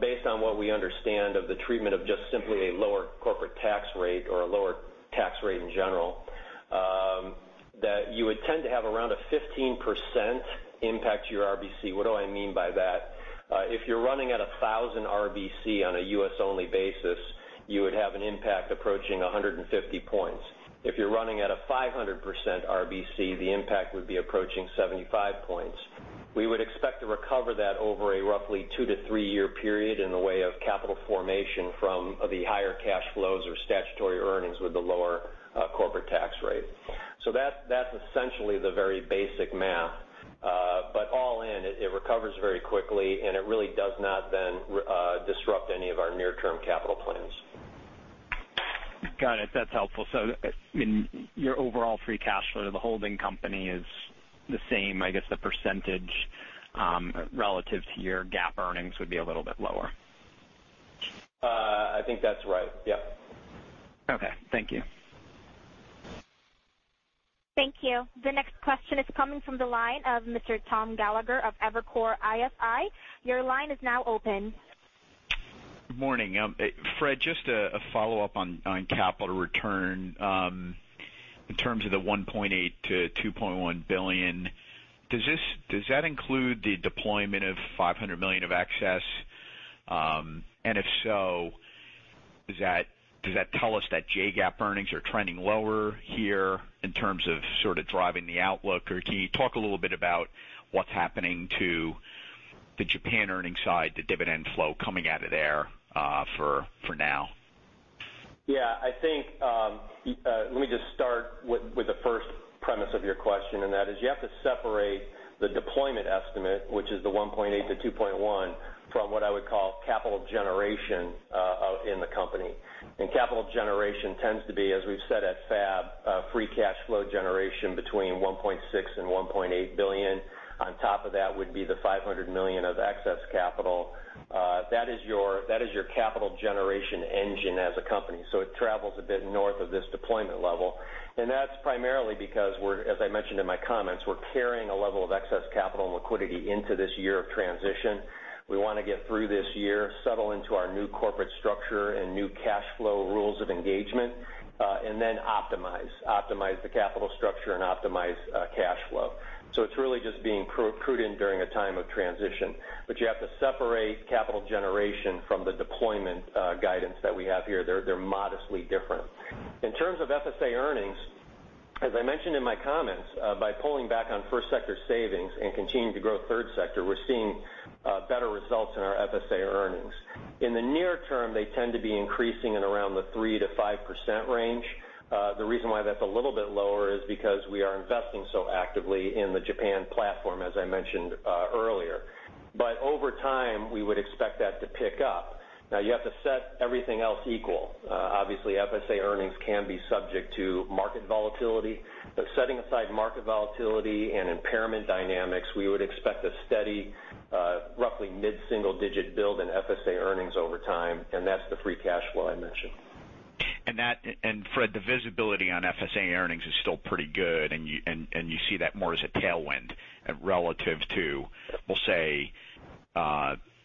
Based on what we understand of the treatment of just simply a lower corporate tax rate or a lower tax rate in general, that you would tend to have around a 15% impact to your RBC. What do I mean by that? If you're running at 1,000 RBC on a U.S.-only basis, you would have an impact approaching 150 points. If you're running at a 500% RBC, the impact would be approaching 75 points. We would expect to recover that over a roughly two to three-year period in the way of capital formation from the higher cash flows or statutory earnings with the lower corporate tax rate. That's essentially the very basic math. All in, it recovers very quickly, it really does not disrupt any of our near-term capital plans. Got it. That's helpful. Your overall free cash flow to the holding company is the same. I guess the percentage relative to your GAAP earnings would be a little bit lower. I think that's right. Yep. Okay. Thank you. Thank you. The next question is coming from the line of Mr. Thomas Gallagher of Evercore ISI. Your line is now open. Good morning. Fred, just a follow-up on capital return. In terms of the $1.8 billion to $2.1 billion, does that include the deployment of $500 million of excess? If so, does that tell us that JGAAP earnings are trending lower here in terms of sort of driving the outlook? Can you talk a little bit about what's happening to the Japan earnings side, the dividend flow coming out of there for now? Yeah. Let me just start with the first premise of your question, and that is you have to separate the deployment estimate, which is the $1.8 billion to $2.1 billion, from what I would call capital generation in the company. Capital generation tends to be, as we've said at FAB, free cash flow generation between $1.6 billion and $1.8 billion. On top of that would be the $500 million of excess capital. That is your capital generation engine as a company. It travels a bit north of this deployment level. That's primarily because, as I mentioned in my comments, we're carrying a level of excess capital and liquidity into this year of transition. We want to get through this year, settle into our new corporate structure and new cash flow rules of engagement, and then optimize. Optimize the capital structure and optimize cash flow. It's really just being prudent during a time of transition. You have to separate capital generation from the deployment guidance that we have here. They're modestly different. In terms of FSA earnings, as I mentioned in my comments, by pulling back on first sector savings and continuing to grow third sector, we're seeing better results in our FSA earnings. In the near term, they tend to be increasing at around the 3%-5% range. The reason why that's a little bit lower is because we are investing so actively in the Japan platform, as I mentioned earlier. Over time, we would expect that to pick up. You have to set everything else equal. Obviously, FSA earnings can be subject to market volatility. Setting aside market volatility and impairment dynamics, we would expect a steady, roughly mid-single-digit build in FSA earnings over time, and that's the free cash flow I mentioned. Fred, the visibility on FSA earnings is still pretty good, and you see that more as a tailwind relative to, we'll say,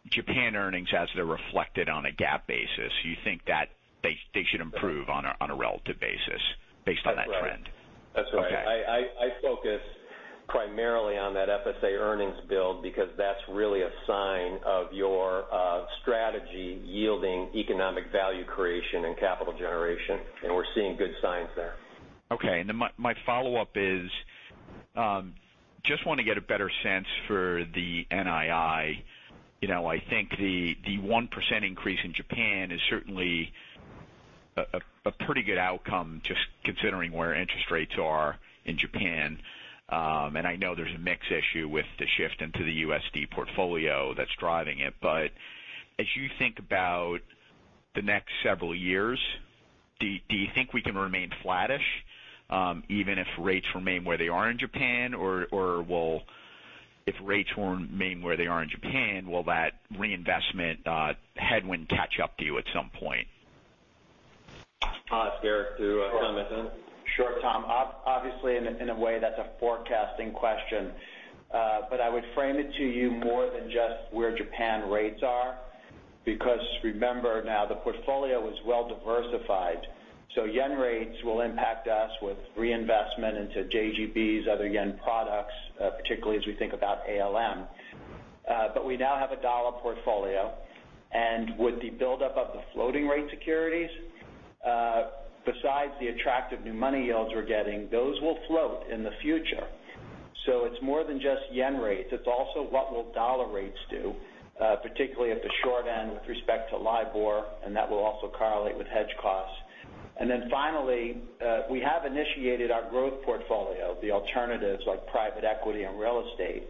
Japan earnings as they're reflected on a GAAP basis. You think that they should improve on a relative basis based on that trend? That's right. Okay. I focus primarily on that FSA earnings build because that's really a sign of your strategy yielding economic value creation and capital generation, and we're seeing good signs there. Okay, I just want to get a better sense for the NII. I think the 1% increase in Japan is certainly a pretty good outcome, just considering where interest rates are in Japan. I know there's a mix issue with the shift into the USD portfolio that's driving it. As you think about the next several years, do you think we can remain flattish even if rates remain where they are in Japan? If rates remain where they are in Japan, will that reinvestment headwind catch up to you at some point? I'll ask Eric to comment on that. Sure, Tom. Obviously, in a way, that's a forecasting question. I would frame it to you more than just where Japan rates are, because remember now, the portfolio is well-diversified. Yen rates will impact us with reinvestment into JGBs, other yen products, particularly as we think about ALM. We now have a dollar portfolio, and with the buildup of the floating rate securities, besides the attractive new money yields we're getting, those will float in the future. It's more than just yen rates. It's also what will dollar rates do, particularly at the short end with respect to LIBOR, and that will also correlate with hedge costs. Finally, we have initiated our growth portfolio, the alternatives like private equity and real estate.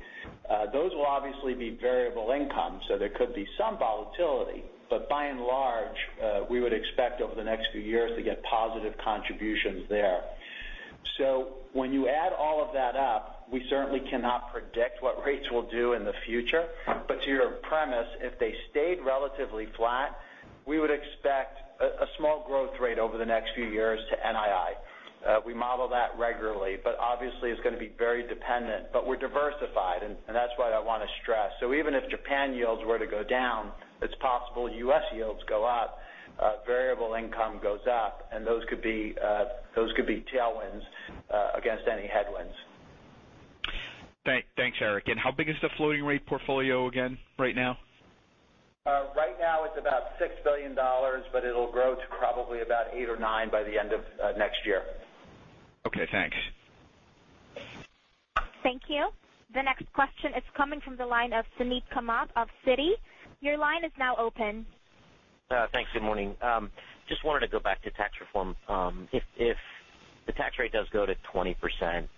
Those will obviously be variable income, so there could be some volatility. By and large, we would expect over the next few years to get positive contributions there. When you add all of that up, we certainly cannot predict what rates will do in the future. To your premise, if they stayed relatively flat, we would expect a small growth rate over the next few years to NII. We model that regularly, but obviously it's going to be very dependent. We're diversified, and that's what I want to stress. Even if Japan yields were to go down, it's possible U.S. yields go up, variable income goes up, and those could be tailwinds against any headwinds. Thanks, Eric. How big is the floating rate portfolio again right now? Right now it's about $6 billion, it'll grow to probably about eight or nine by the end of next year. Okay, thanks. Thank you. The next question is coming from the line of Suneet Kamath of Citi. Your line is now open. Thanks. Good morning. Just wanted to go back to tax reform. If the tax rate does go to 20%,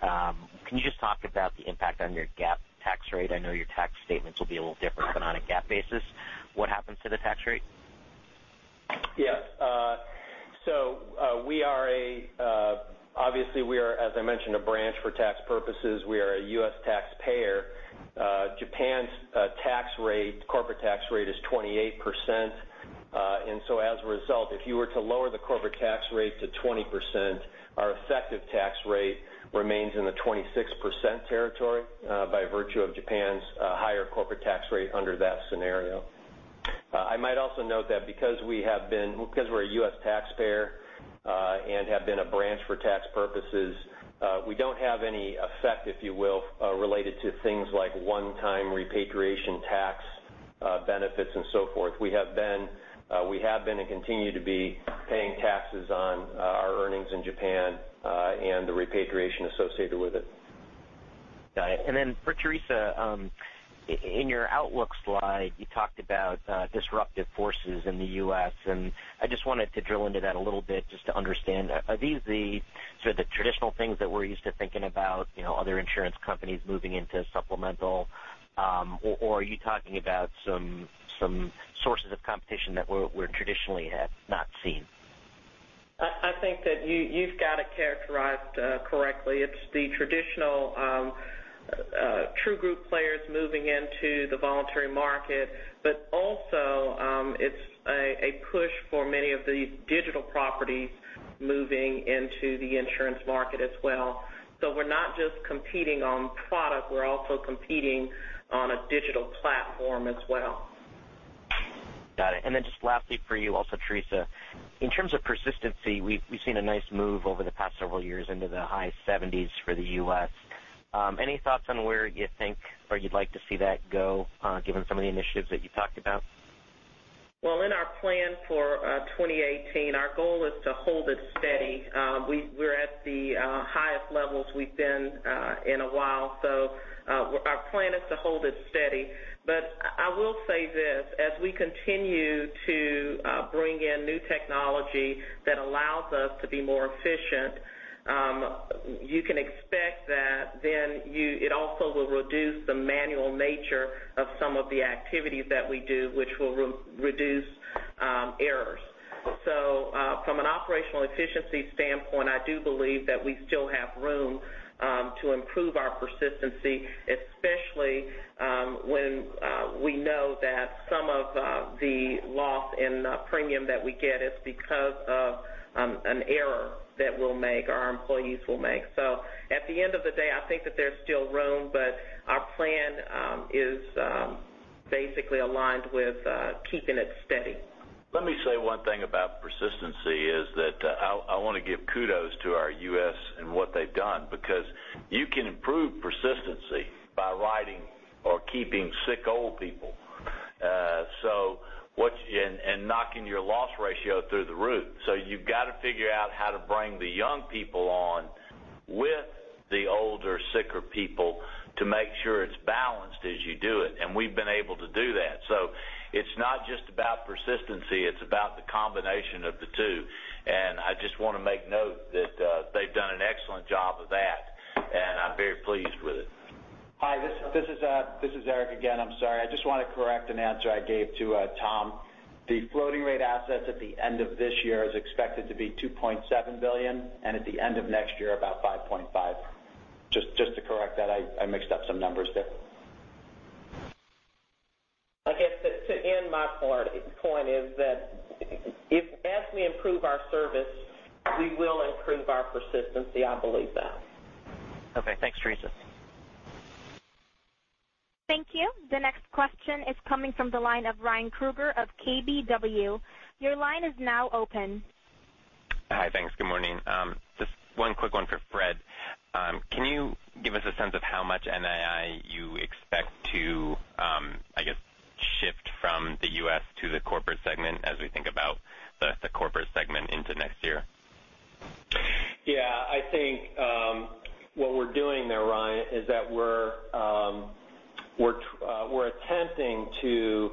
can you just talk about the impact on your GAAP tax rate? I know your tax statements will be a little different, but on a GAAP basis, what happens to the tax rate? Yes. Obviously, we are, as I mentioned, a branch for tax purposes. We are a U.S. taxpayer. Japan's corporate tax rate is 28%. As a result, if you were to lower the corporate tax rate to 20%, our effective tax rate remains in the 26% territory by virtue of Japan's higher corporate tax rate under that scenario. I might also note that because we're a U.S. taxpayer, and have been a branch for tax purposes, we don't have any effect, if you will, related to things like one-time repatriation tax benefits and so forth. We have been and continue to be paying taxes on our earnings in Japan, and the repatriation associated with it. Got it. For Teresa, in your outlook slide, you talked about disruptive forces in the U.S., I just wanted to drill into that a little bit just to understand. Are these the sort of the traditional things that we're used to thinking about, other insurance companies moving into supplemental? Are you talking about some sources of competition that we're traditionally have not seen? I think that you've got it characterized correctly. It's the traditional true group players moving into the voluntary market, it's a push for many of these digital properties moving into the insurance market as well. We're not just competing on product, we're also competing on a digital platform as well. Got it. Just lastly for you also, Teresa, in terms of persistency, we've seen a nice move over the past several years into the high 70s for the U.S. Any thoughts on where you think or you'd like to see that go, given some of the initiatives that you talked about? Well, in our plan for 2018, our goal is to hold it steady. We're at the highest levels we've been in a while, our plan is to hold it steady. I will say this, as we continue to bring in new technology that allows us to be more efficient, you can expect that then it also will reduce the manual nature of some of the activities that we do, which will reduce errors. From an operational efficiency standpoint, I do believe that we still have room to improve our persistency, especially when we know that some of the loss in the premium that we get is because of an error that we'll make or our employees will make. At the end of the day, I think that there's still room, our plan is basically aligned with keeping it steady. Let me say one thing about persistency is that I want to give kudos to our U.S. and what they've done, because you can improve persistency by riding or keeping sick old people and knocking your loss ratio through the roof. You've got to figure out how to bring the young people on with the older, sicker people to make sure it's balanced as you do it. We've been able to do that. It's not just about persistency, it's about the combination of the two. I just want to make note that they've done an excellent job of that, and I'm very pleased with it. Hi, this is Eric again. I'm sorry. I just want to correct an answer I gave to Tom. The floating rate assets at the end of this year is expected to be $2.7 billion, and at the end of next year, about $5.5 billion. Just to correct that. I mixed up some numbers there. I guess to end my point is that as we improve our service, we will improve our persistency. I believe that. Okay. Thanks, Teresa. Thank you. The next question is coming from the line of Ryan Krueger of KBW. Your line is now open. Hi. Thanks. Good morning. Just one quick one for Fred Crawford. Can you give us a sense of how much NII the U.S. to the corporate segment as we think about the corporate segment into next year? I think what we're doing there, Ryan Krueger, is that we're attempting to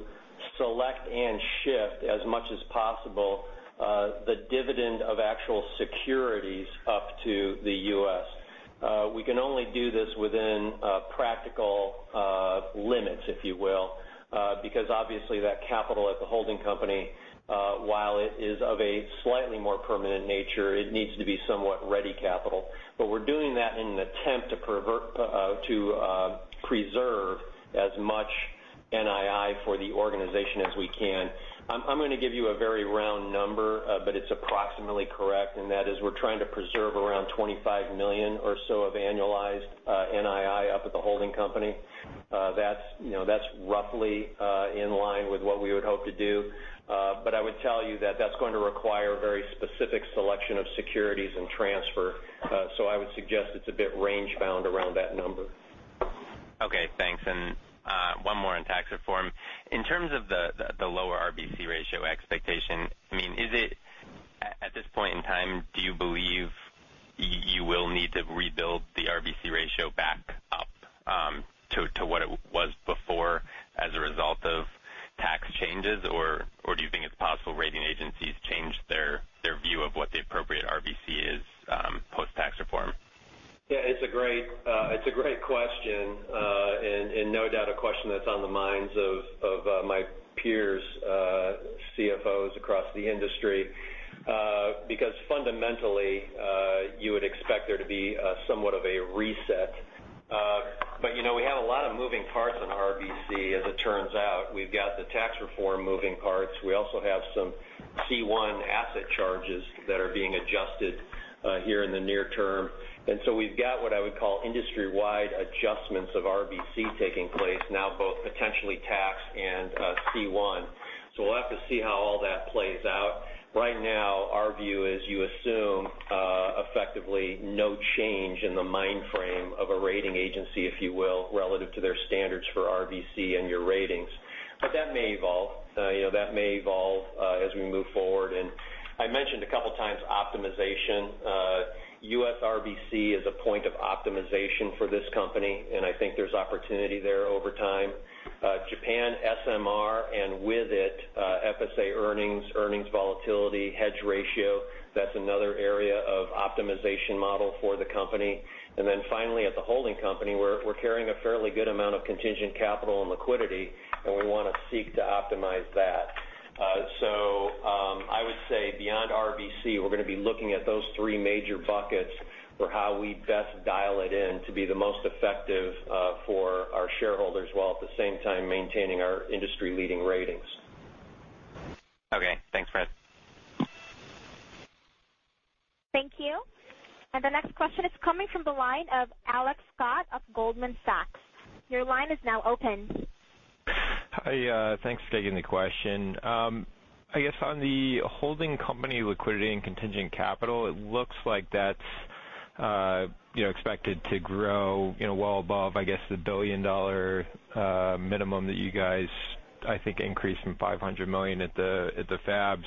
select and shift, as much as possible, the dividend of actual securities up to the U.S. We can only do this within practical limits, if you will because obviously that capital at the holding company, while it is of a slightly more permanent nature, it needs to be somewhat ready capital. We're doing that in an attempt to preserve as much NII for the organization as we can. I'm going to give you a very round number, but it's approximately correct. We're trying to preserve around $25 million or so of annualized NII up at the holding company. That's roughly in line with what we would hope to do. I would tell you that that's going to require very specific selection of securities and transfer. I would suggest it's a bit range bound around that number. Okay, thanks. One more on tax reform. In terms of the lower RBC ratio expectation, at this point in time, do you believe you will need to rebuild the RBC ratio back up to what it was before as a result of tax changes? Do you think it's possible rating agencies change their view of what the appropriate RBC is post-tax reform? Yeah, it's a great question. No doubt a question that's on the minds of my peers, CFOs across the industry. Fundamentally, you would expect there to be somewhat of a reset. We have a lot of moving parts on RBC, as it turns out. We've got the tax reform moving parts. We also have some C1 asset charges that are being adjusted here in the near term. We've got what I would call industry-wide adjustments of RBC taking place now, both potentially tax and C1. We'll have to see how all that plays out. Right now, our view is you assume effectively no change in the mind frame of a rating agency, if you will, relative to their standards for RBC and your ratings. That may evolve. That may evolve as we move forward. I mentioned a couple of times optimization. U.S. RBC is a point of optimization for this company, and I think there's opportunity there over time. Japan SMR and with it, FSA earnings volatility, hedge ratio, that's another area of optimization model for the company. Finally, at the holding company, we're carrying a fairly good amount of contingent capital and liquidity, and we want to seek to optimize that. I would say beyond RBC, we're going to be looking at those three major buckets for how we best dial it in to be the most effective for our shareholders, while at the same time maintaining our industry-leading ratings. Okay. Thanks, Fred. Thank you. The next question is coming from the line of Alex Scott of Goldman Sachs. Your line is now open. Hi. Thanks for taking the question. I guess on the holding company liquidity and contingent capital, it looks like that's expected to grow well above, I guess the billion-dollar minimum that you guys, I think increased from $500 million at the FAB.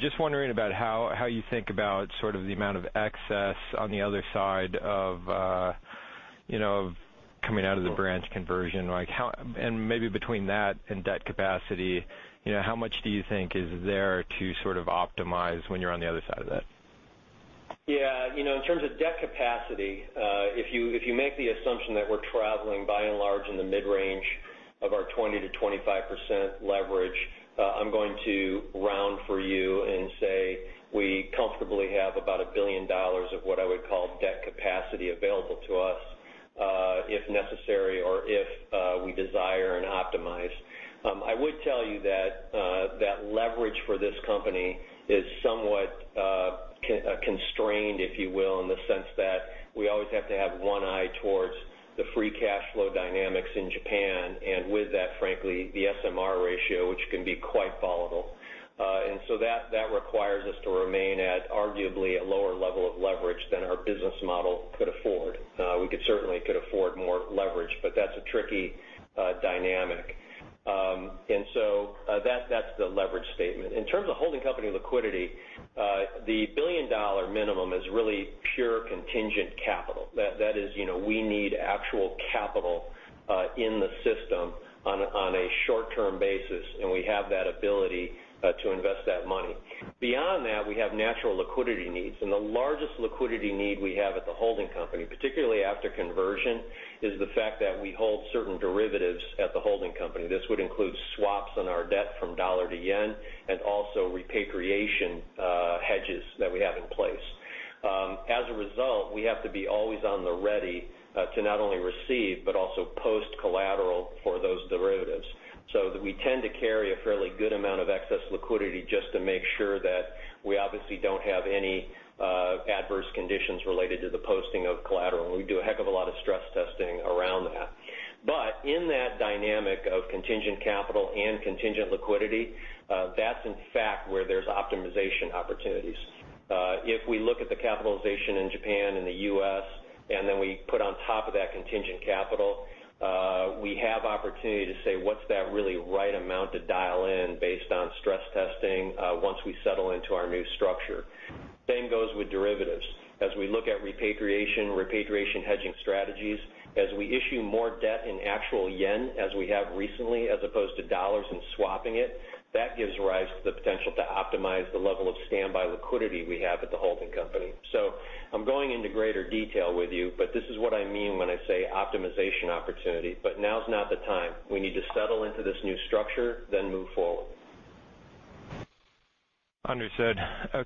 Just wondering about how you think about the amount of excess on the other side of coming out of the branch conversion. Maybe between that and debt capacity, how much do you think is there to optimize when you're on the other side of that? Yeah. In terms of debt capacity, if you make the assumption that we're traveling by and large in the mid-range of our 20%-25% leverage, I'm going to round for you and say we comfortably have about $1 billion of what I would call debt capacity available to us if necessary or if we desire and optimize. I would tell you that leverage for this company is somewhat constrained, if you will, in the sense that we always have to have one eye towards the free cash flow dynamics in Japan, and with that, frankly, the SMR ratio, which can be quite volatile. That requires us to remain at arguably a lower level of leverage than our business model could afford. We certainly could afford more leverage, but that's a tricky dynamic. That's the leverage statement. In terms of holding company liquidity, the billion-dollar minimum is really pure contingent capital. That is, we need actual capital in the system on a short-term basis, and we have that ability to invest that money. Beyond that, we have natural liquidity needs, and the largest liquidity need we have at the holding company, particularly after conversion, is the fact that we hold certain derivatives at the holding company. This would include swaps on our debt from USD to JPY, and also repatriation hedges that we have in place. As a result, we have to be always on the ready to not only receive, but also post collateral for those derivatives. We tend to carry a fairly good amount of excess liquidity just to make sure that we obviously don't have any adverse conditions related to the posting of collateral. We do a heck of a lot of stress testing around that. In that dynamic of contingent capital and contingent liquidity, that's in fact where there's optimization opportunities. If we look at the capitalization in Japan and the U.S., and then we put on top of that contingent capital, we have opportunity to say, what's that really right amount to dial in based on stress testing once we settle into our new structure? Same goes with derivatives. As we look at repatriation hedging strategies, as we issue more debt in actual JPY, as we have recently, as opposed to USD and swapping it, that gives rise to the potential to optimize the level of standby liquidity we have at the holding company. I'm going into greater detail with you, but this is what I mean when I say optimization opportunity. Now's not the time. We need to settle into this new structure, then move forward. Understood.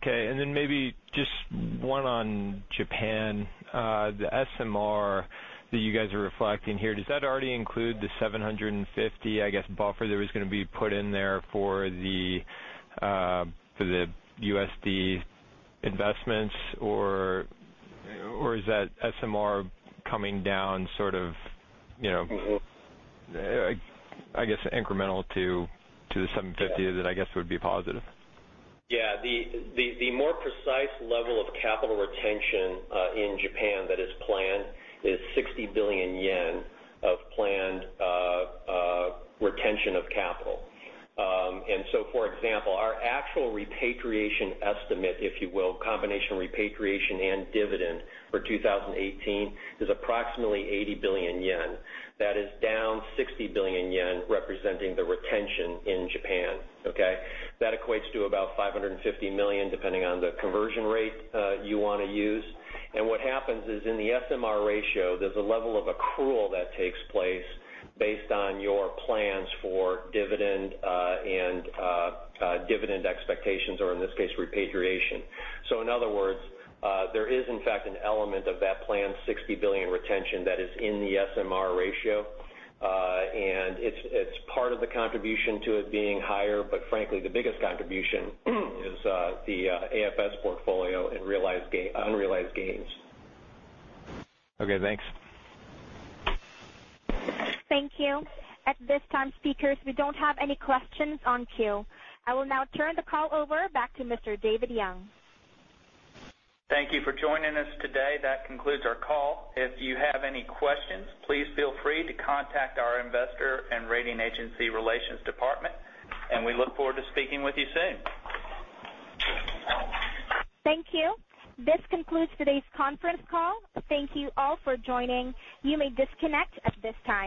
Maybe just one on Japan. The SMR that you guys are reflecting here, does that already include the 750, I guess, buffer that was going to be put in there for the USD investments? Or is that SMR coming down sort of- I guess, incremental to the 750 that I guess would be positive? Yeah. The more precise level of capital retention in Japan that is planned is 60 billion yen of planned retention of capital. For example, our actual repatriation estimate, if you will, combination repatriation and dividend for 2018, is approximately 80 billion yen. That is down 60 billion yen representing the retention in Japan. Okay. That equates to about $550 million, depending on the conversion rate you want to use. What happens is, in the SMR ratio, there's a level of accrual that takes place based on your plans for dividend and dividend expectations, or in this case, repatriation. In other words, there is, in fact, an element of that planned 60 billion retention that is in the SMR ratio. It's part of the contribution to it being higher. Frankly, the biggest contribution is the AFS portfolio in unrealized gains. Okay, thanks. Thank you. At this time, speakers, we don't have any questions on queue. I will now turn the call over back to Mr. David Young. Thank you for joining us today. That concludes our call. If you have any questions, please feel free to contact our investor and rating agency relations department. We look forward to speaking with you soon. Thank you. This concludes today's conference call. Thank you all for joining. You may disconnect at this time.